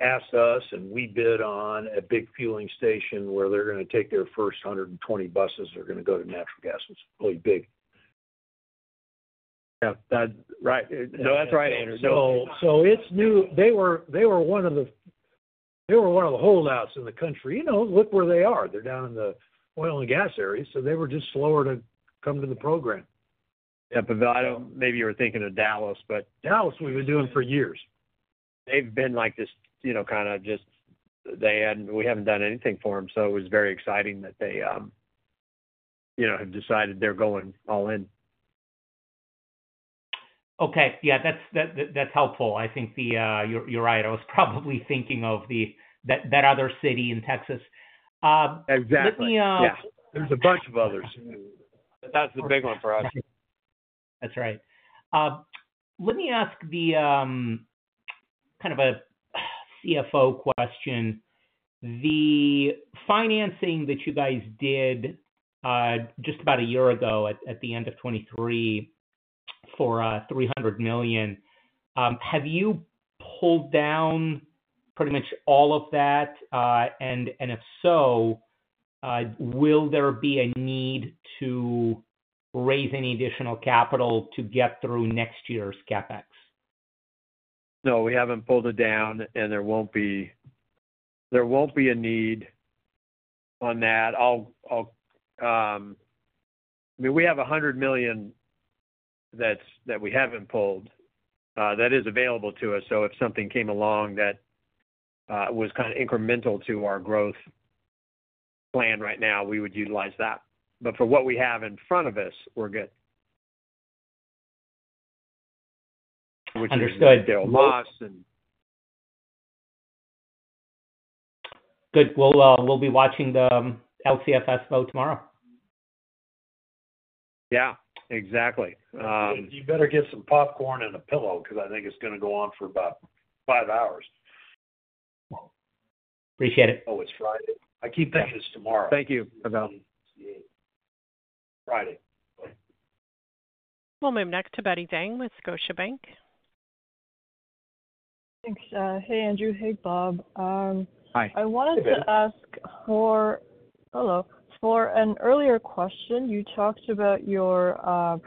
asked us, and we bid on a big fueling station where they're going to take their first 120 buses that are going to go to natural gas. It's really big. Yeah. Right. No, that's right, Andrew. So it's new. They were one of the holdouts in the country. Look where they are. They're down in the oil and gas area. So they were just slower to come to the program. Yeah. Pavel, maybe you were thinking of Dallas, but Dallas, we've been doing for years. They've been like this kind of just we haven't done anything for them. So it was very exciting that they have decided they're going all in. Okay. Yeah. That's helpful. I think you're right. I was probably thinking of that other city in Texas. Exactly. Yeah. There's a bunch of others. That's the big one for us. That's right. Let me ask kind of a CFO question. The financing that you guys did just about a year ago at the end of 2023 for $300 million, have you pulled down pretty much all of that? If so, will there be a need to raise any additional capital to get through next year's CapEx? No, we haven't pulled it down, and there won't be a need on that. I mean, we have $100 million that we haven't pulled that is available to us. So if something came along that was kind of incremental to our growth plan right now, we would utilize that. But for what we have in front of us, we're good. Understood. We'll get a loss and good. Well, we'll be watching the LCFS vote tomorrow. Yeah. Exactly. You better get some popcorn and a pillow because I think it's going to go on for about five hours. Appreciate it. Oh, it's Friday. I keep thinking it's tomorrow. Thank you. Friday. Well, we'll move next to Betty Jiang with Scotiabank. Thanks. Hey, Andrew. Hey, Bob. Hi. I wanted to ask for, hello, for an earlier question. You talked about your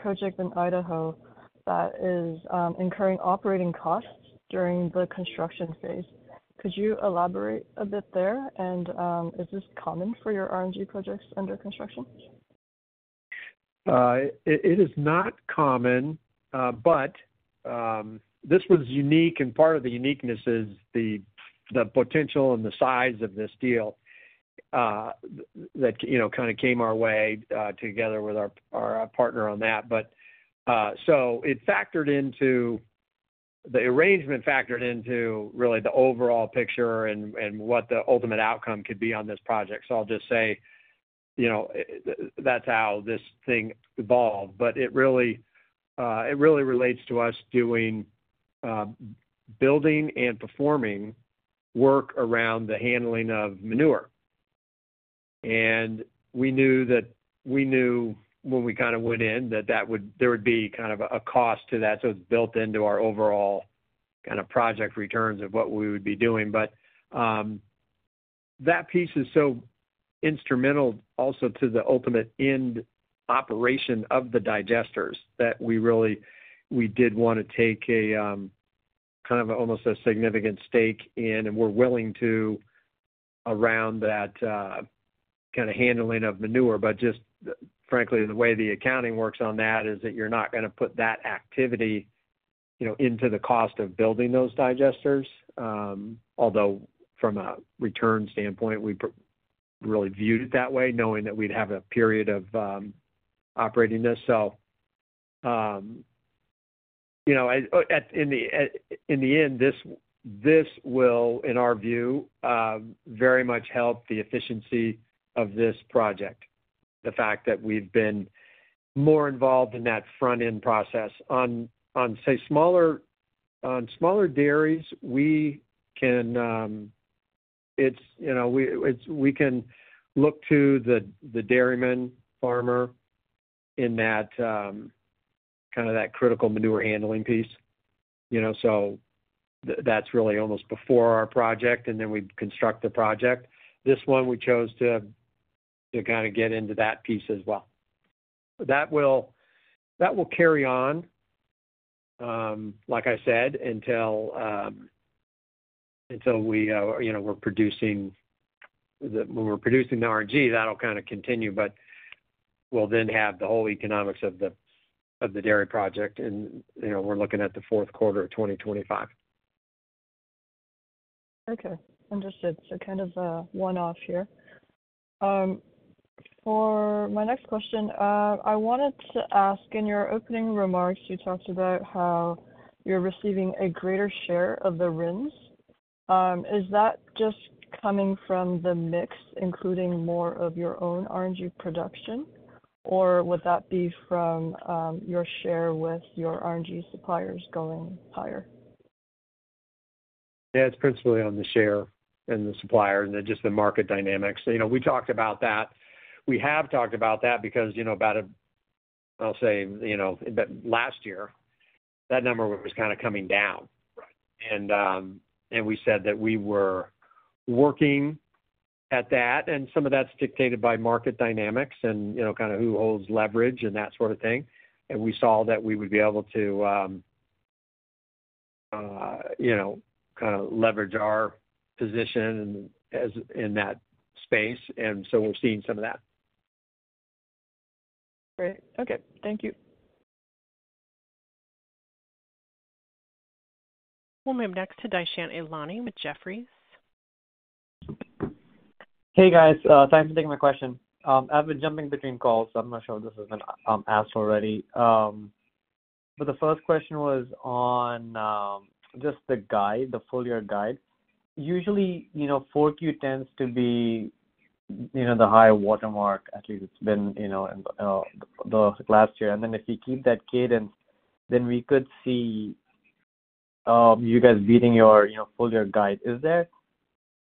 project in Idaho that is incurring operating costs during the construction phase. Could you elaborate a bit there? And is this common for your RNG projects under construction? It is not common, but this was unique. And part of the uniqueness is the potential and the size of this deal that kind of came our way together with our partner on that. But so it factored into the arrangement, factored into really the overall picture and what the ultimate outcome could be on this project. So I'll just say that's how this thing evolved. But it really relates to us doing building and performing work around the handling of manure. And we knew that when we kind of went in that there would be kind of a cost to that. So it's built into our overall kind of project returns of what we would be doing. But that piece is so instrumental also to the ultimate end operation of the digesters that we did want to take kind of almost a significant stake in and were willing to around that kind of handling of manure. But just frankly, the way the accounting works on that is that you're not going to put that activity into the cost of building those digesters. Although from a return standpoint, we really viewed it that way, knowing that we'd have a period of operating this. So in the end, this will, in our view, very much help the efficiency of this project, the fact that we've been more involved in that front-end process. On, say, smaller dairies, we can look to the dairyman, farmer in kind of that critical manure handling piece. So that's really almost before our project, and then we construct the project. This one, we chose to kind of get into that piece as well. That will carry on, like I said, until we're producing the RNG. That'll kind of continue, but we'll then have the whole economics of the dairy project, and we're looking at the fourth quarter of 2025. Okay. Understood. So kind of a one-off here. For my next question, I wanted to ask, in your opening remarks, you talked about how you're receiving a greater share of the RINs. Is that just coming from the mix, including more of your own RNG production, or would that be from your share with your RNG suppliers going higher? Yeah. It's principally on the share and the supplier and just the market dynamics. We talked about that. We have talked about that because, I'll say, last year, that number was kind of coming down. And we said that we were working at that, and some of that's dictated by market dynamics and kind of who holds leverage and that sort of thing. And we saw that we would be able to kind of leverage our position in that space. And so we're seeing some of that. Great. Okay. Thank you. We'll move next to Dushyant Ailani with Jefferies. Hey, guys. Thanks for taking my question. I've been jumping between calls, so I'm not sure if this has been asked already. But the first question was on just the guide, the full year guide. Usually, 4Q tends to be the high watermark, at least it's been the last year. And then if you keep that cadence, then we could see you guys beating your full year guide. Is there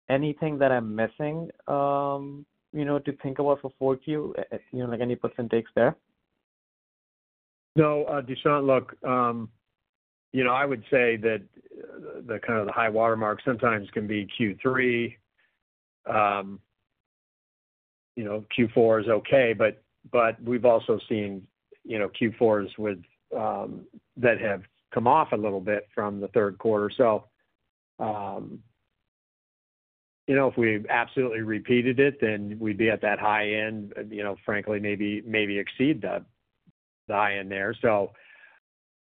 anything that I'm missing to think about for 4Q, like any percent takes there? No. Look, I would say that kind of the high watermark sometimes can be Q3. Q4 is okay, but we've also seen Q4s that have come off a little bit from the third quarter. So if we absolutely repeated it, then we'd be at that high end, frankly, maybe exceed the high end there.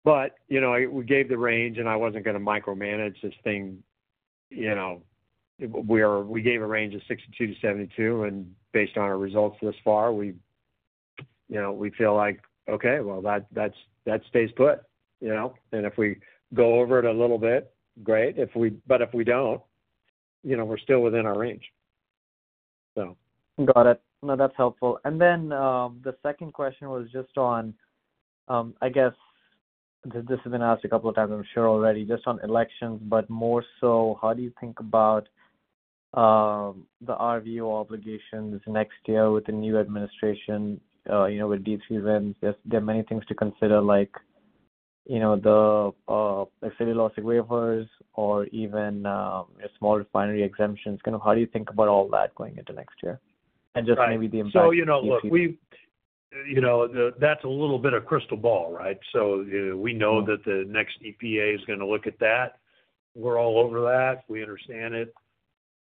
But we gave the range, and I wasn't going to micromanage this thing. We gave a range of 62 to 72, and based on our results thus far, we feel like, "Okay. Well, that stays put." And if we go over it a little bit, great. But if we don't, we're still within our range, so. Got it. No, that's helpful. And then the second question was just on, I guess, this has been asked a couple of times, I'm sure, already, just on elections, but more so, how do you think about the RVO obligations next year with the new administration, with D3 RINs? There are many things to consider, like the SRE waivers or even small refinery exemptions. Kind of how do you think about all that going into next year? And just maybe the impact. So look, that's a little bit of crystal ball, right? So we know that the next EPA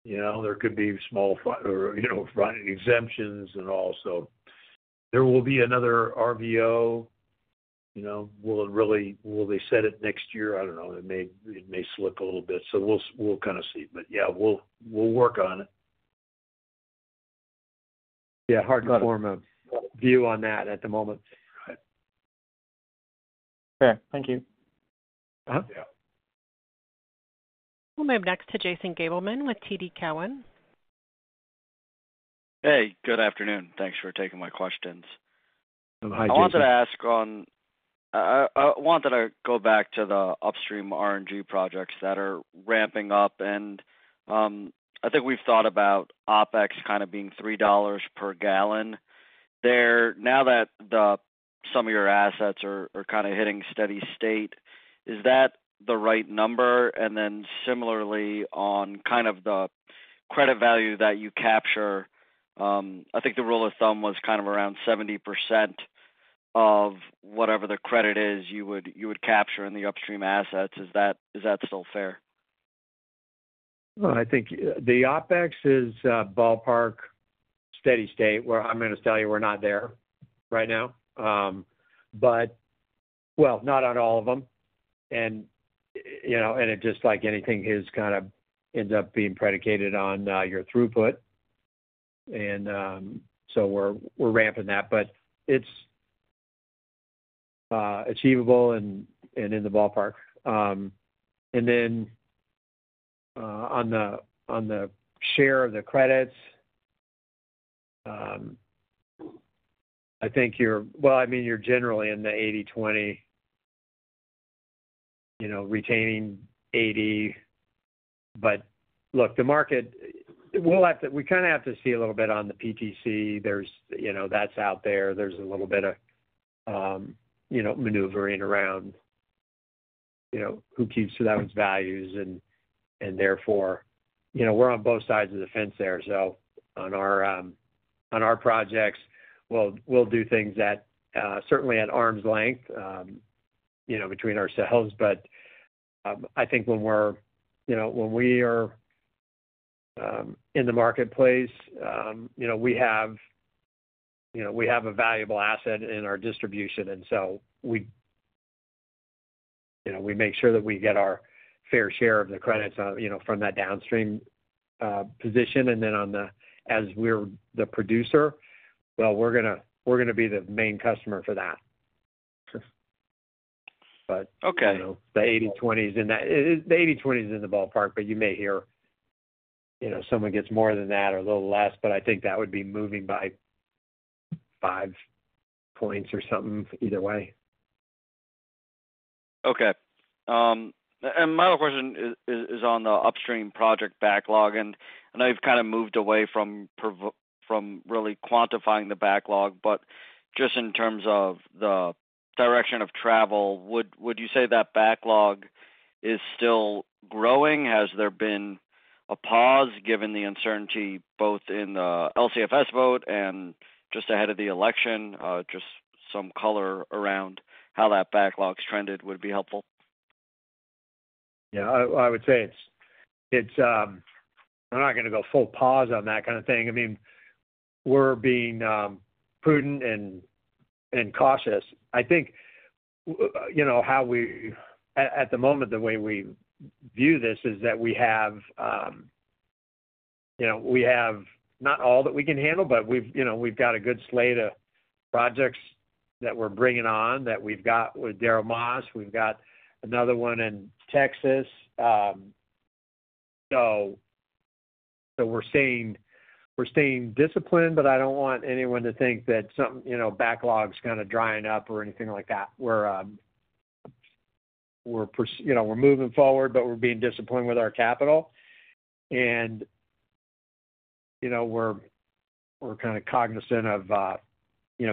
is going to look at that. We're all over that. We understand it. There could be small exemptions and all. So there will be another RVO. Will they set it next year? I don't know. It may slip a little bit. So we'll kind of see. But yeah, we'll work on it. Yeah. Hardcore view on that at the moment. Okay. Thank you. We'll move next to Jason Gabelman with TD Cowen. Hey. Good afternoon. Thanks for taking my questions. Hi, Jason. I wanted to go back to the upstream RNG projects that are ramping up. And I think we've thought about OpEx kind of being $3 per gallon. Now that some of your assets are kind of hitting steady state, is that the right number? And then similarly, on kind of the credit value that you capture, I think the rule of thumb was kind of around 70% of whatever the credit is you would capture in the upstream assets. Is that still fair? Well, I think the OpEx is ballpark steady state. I'm going to tell you, we're not there right now. Well, not on all of them. And just like anything, it kind of ends up being predicated on your throughput. And so we're ramping that. But it's achievable and in the ballpark. And then on the share of the credits, I think you're, well, I mean, you're generally in the 80/20, retaining 80. But look, the market, we kind of have to see a little bit on the PTC. That's out there. There's a little bit of maneuvering around who keeps to those values. And therefore, we're on both sides of the fence there. So on our projects, we'll do things that certainly at arm's length between ourselves. But I think when we're, when we are in the marketplace, we have a valuable asset in our distribution. And so we make sure that we get our fair share of the credits from that downstream position. And then as we're the producer, well, we're going to be the main customer for that. But the 80/20 is in the ballpark, but you may hear someone gets more than that or a little less. But I think that would be moving by five points or something either way. Okay. And my other question is on the upstream project backlog. And I know you've kind of moved away from really quantifying the backlog, but just in terms of the direction of travel, would you say that backlog is still growing? Has there been a pause given the uncertainty both in the LCFS vote and just ahead of the election? Just some color around how that backlog's trended would be helpful. Yeah. I would say it's, I'm not going to go full pause on that kind of thing. I mean, we're being prudent and cautious. I think how we, at the moment, the way we view this is that we have not all that we can handle, but we've got a good slate of projects that we're bringing on that we've got with Daryl Maas. We've got another one in Texas. So we're staying disciplined, but I don't want anyone to think that backlog's kind of drying up or anything like that. We're moving forward, but we're being disciplined with our capital. And we're kind of cognizant of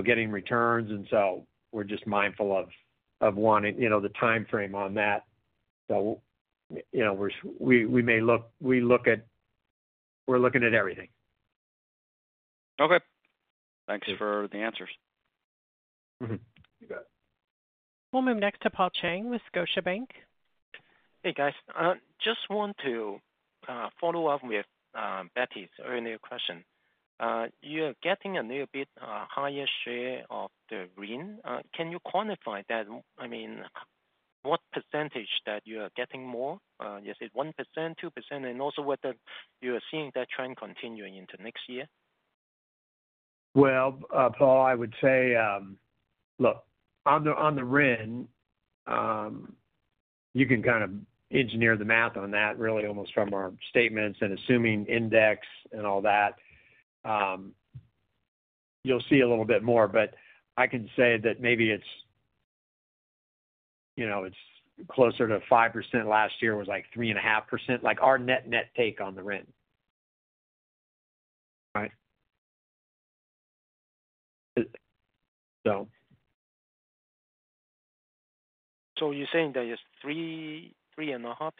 getting returns. And so we're just mindful of wanting the timeframe on that. So we may look at. We're looking at everything. Okay. Thanks for the answers. You bet. We'll move next to Paul Cheng with Scotiabank. Hey, guys. Just want to follow up with Betty's earlier question. You're getting a little bit higher share of the RIN. Can you quantify that? I mean, what percentage that you're getting more? Is it 1%, 2%? And also whether you're seeing that trend continue into next year? Well, Paul, I would say, look, on the RIN, you can kind of engineer the math on that, really, almost from our statements and assuming index and all that. You'll see a little bit more. But I can say that maybe it's closer to 5% last year was like 3.5%, our net net take on the RIN. Right. So you're saying that it's 3.5%?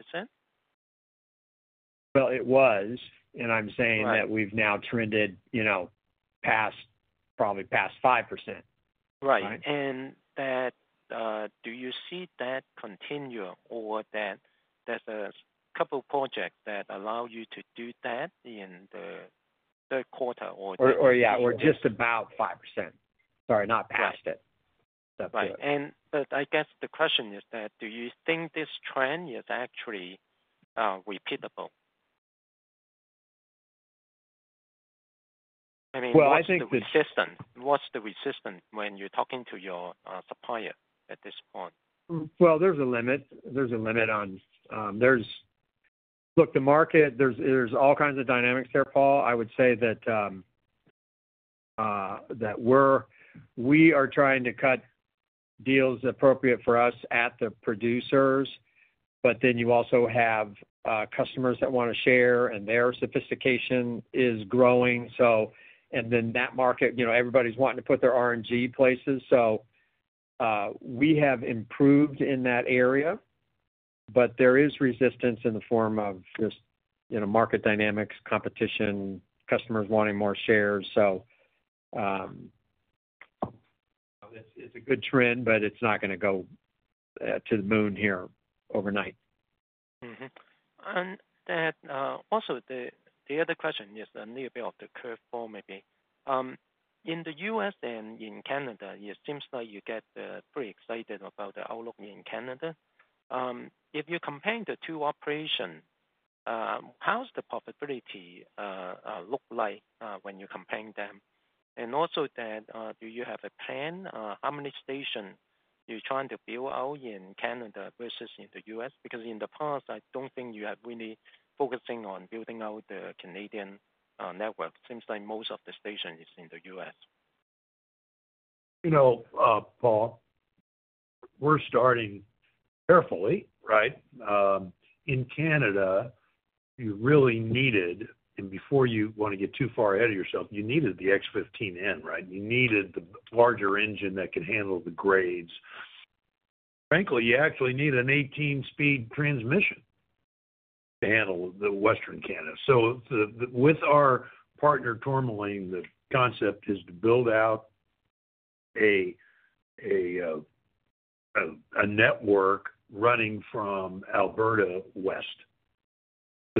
Well, it was. And I'm saying that we've now trended probably past 5%. Right. And do you see that continue or that there's a couple of projects that allow you to do that in the third quarter or? Or just about 5%. Sorry, not past it. That's it. Right. And I guess the question is, do you think this trend is actually repeatable? I mean, what's the resistance? What's the resistance when you're talking to your supplier at this point? Well, there's a limit. There's a limit on, look, the market. There's all kinds of dynamics there, Paul. I would say that we are trying to cut deals appropriate for us at the producers. But then you also have customers that want to share, and their sophistication is growing. And then that market, everybody's wanting to put their RNG places. So we have improved in that area, but there is resistance in the form of just market dynamics, competition, customers wanting more shares. So it's a good trend, but it's not going to go to the moon here overnight. And also, the other question is a little bit of the curveball, maybe. In the U.S. and in Canada, it seems like you get pretty excited about the outlook in Canada. If you compare the two operations, how's the profitability look like when you compare them? And also that, do you have a plan? How many stations are you trying to build out in Canada versus in the U.S.? Because in the past, I don't think you have really focused on building out the Canadian network. It seems like most of the stations are in the U.S. You know, Paul, we're starting carefully, right? In Canada, you really needed, and before you want to get too far ahead of yourself, you needed the X15N, right? You needed the larger engine that could handle the grades. Frankly, you actually need an 18-speed transmission to handle Western Canada. With our partner, Tourmaline, the concept is to build out a network running from Alberta west to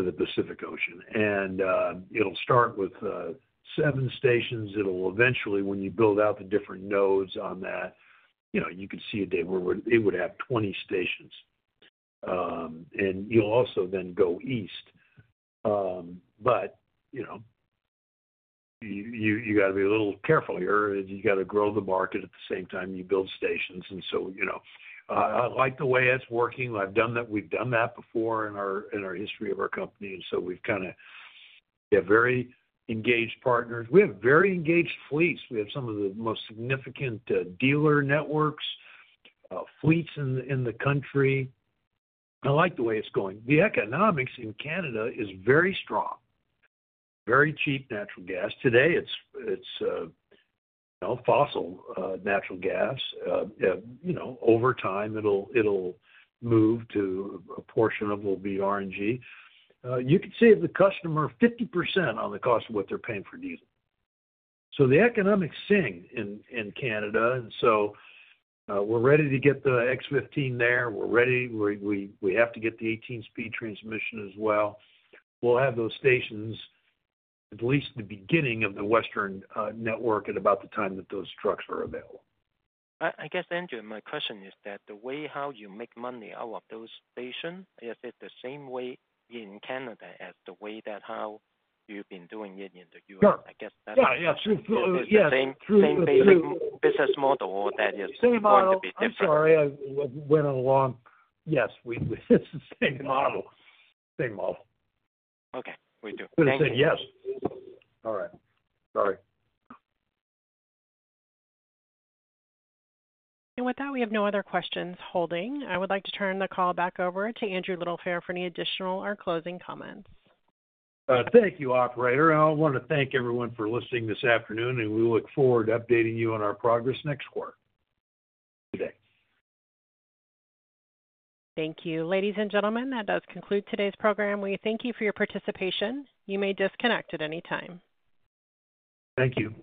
the Pacific Ocean. It’ll start with seven stations. It’ll eventually, when you build out the different nodes on that, you could see a day where it would have 20 stations. You’ll also then go east. You got to be a little careful here. You got to grow the market at the same time you build stations. I like the way it’s working. We’ve done that before in our history of our company. We have very engaged partners. We have very engaged fleets. We have some of the most significant dealer networks, fleets in the country. I like the way it’s going. The economics in Canada is very strong. Very cheap natural gas. Today, it’s fossil natural gas. Over time, it'll move to a portion of will be RNG. You can save the customer 50% on the cost of what they're paying for diesel. So the economics sing in Canada. And so we're ready to get the X15N there. We're ready. We have to get the 18-speed transmission as well. We'll have those stations at least the beginning of the western network at about the time that those trucks are available. I guess, Andrew, my question is that the way how you make money out of those stations, is it the same way in Canada as the way that how you've been doing it in the U.S.? I guess that's the same basic business model or that is going to be different? I'm sorry. I went on a long, yes, it's the same model. Same model. Okay. We do. Thank you. We said yes. All right. Sorry. With that, we have no other questions holding. I would like to turn the call back over to Andrew Littlefair for any additional or closing comments. Thank you, operator. I want to thank everyone for listening this afternoon. We look forward to updating you on our progress next quarter. Thank you. Thank you. Ladies and gentlemen, that does conclude today's program. We thank you for your participation. You may disconnect at any time. Thank you.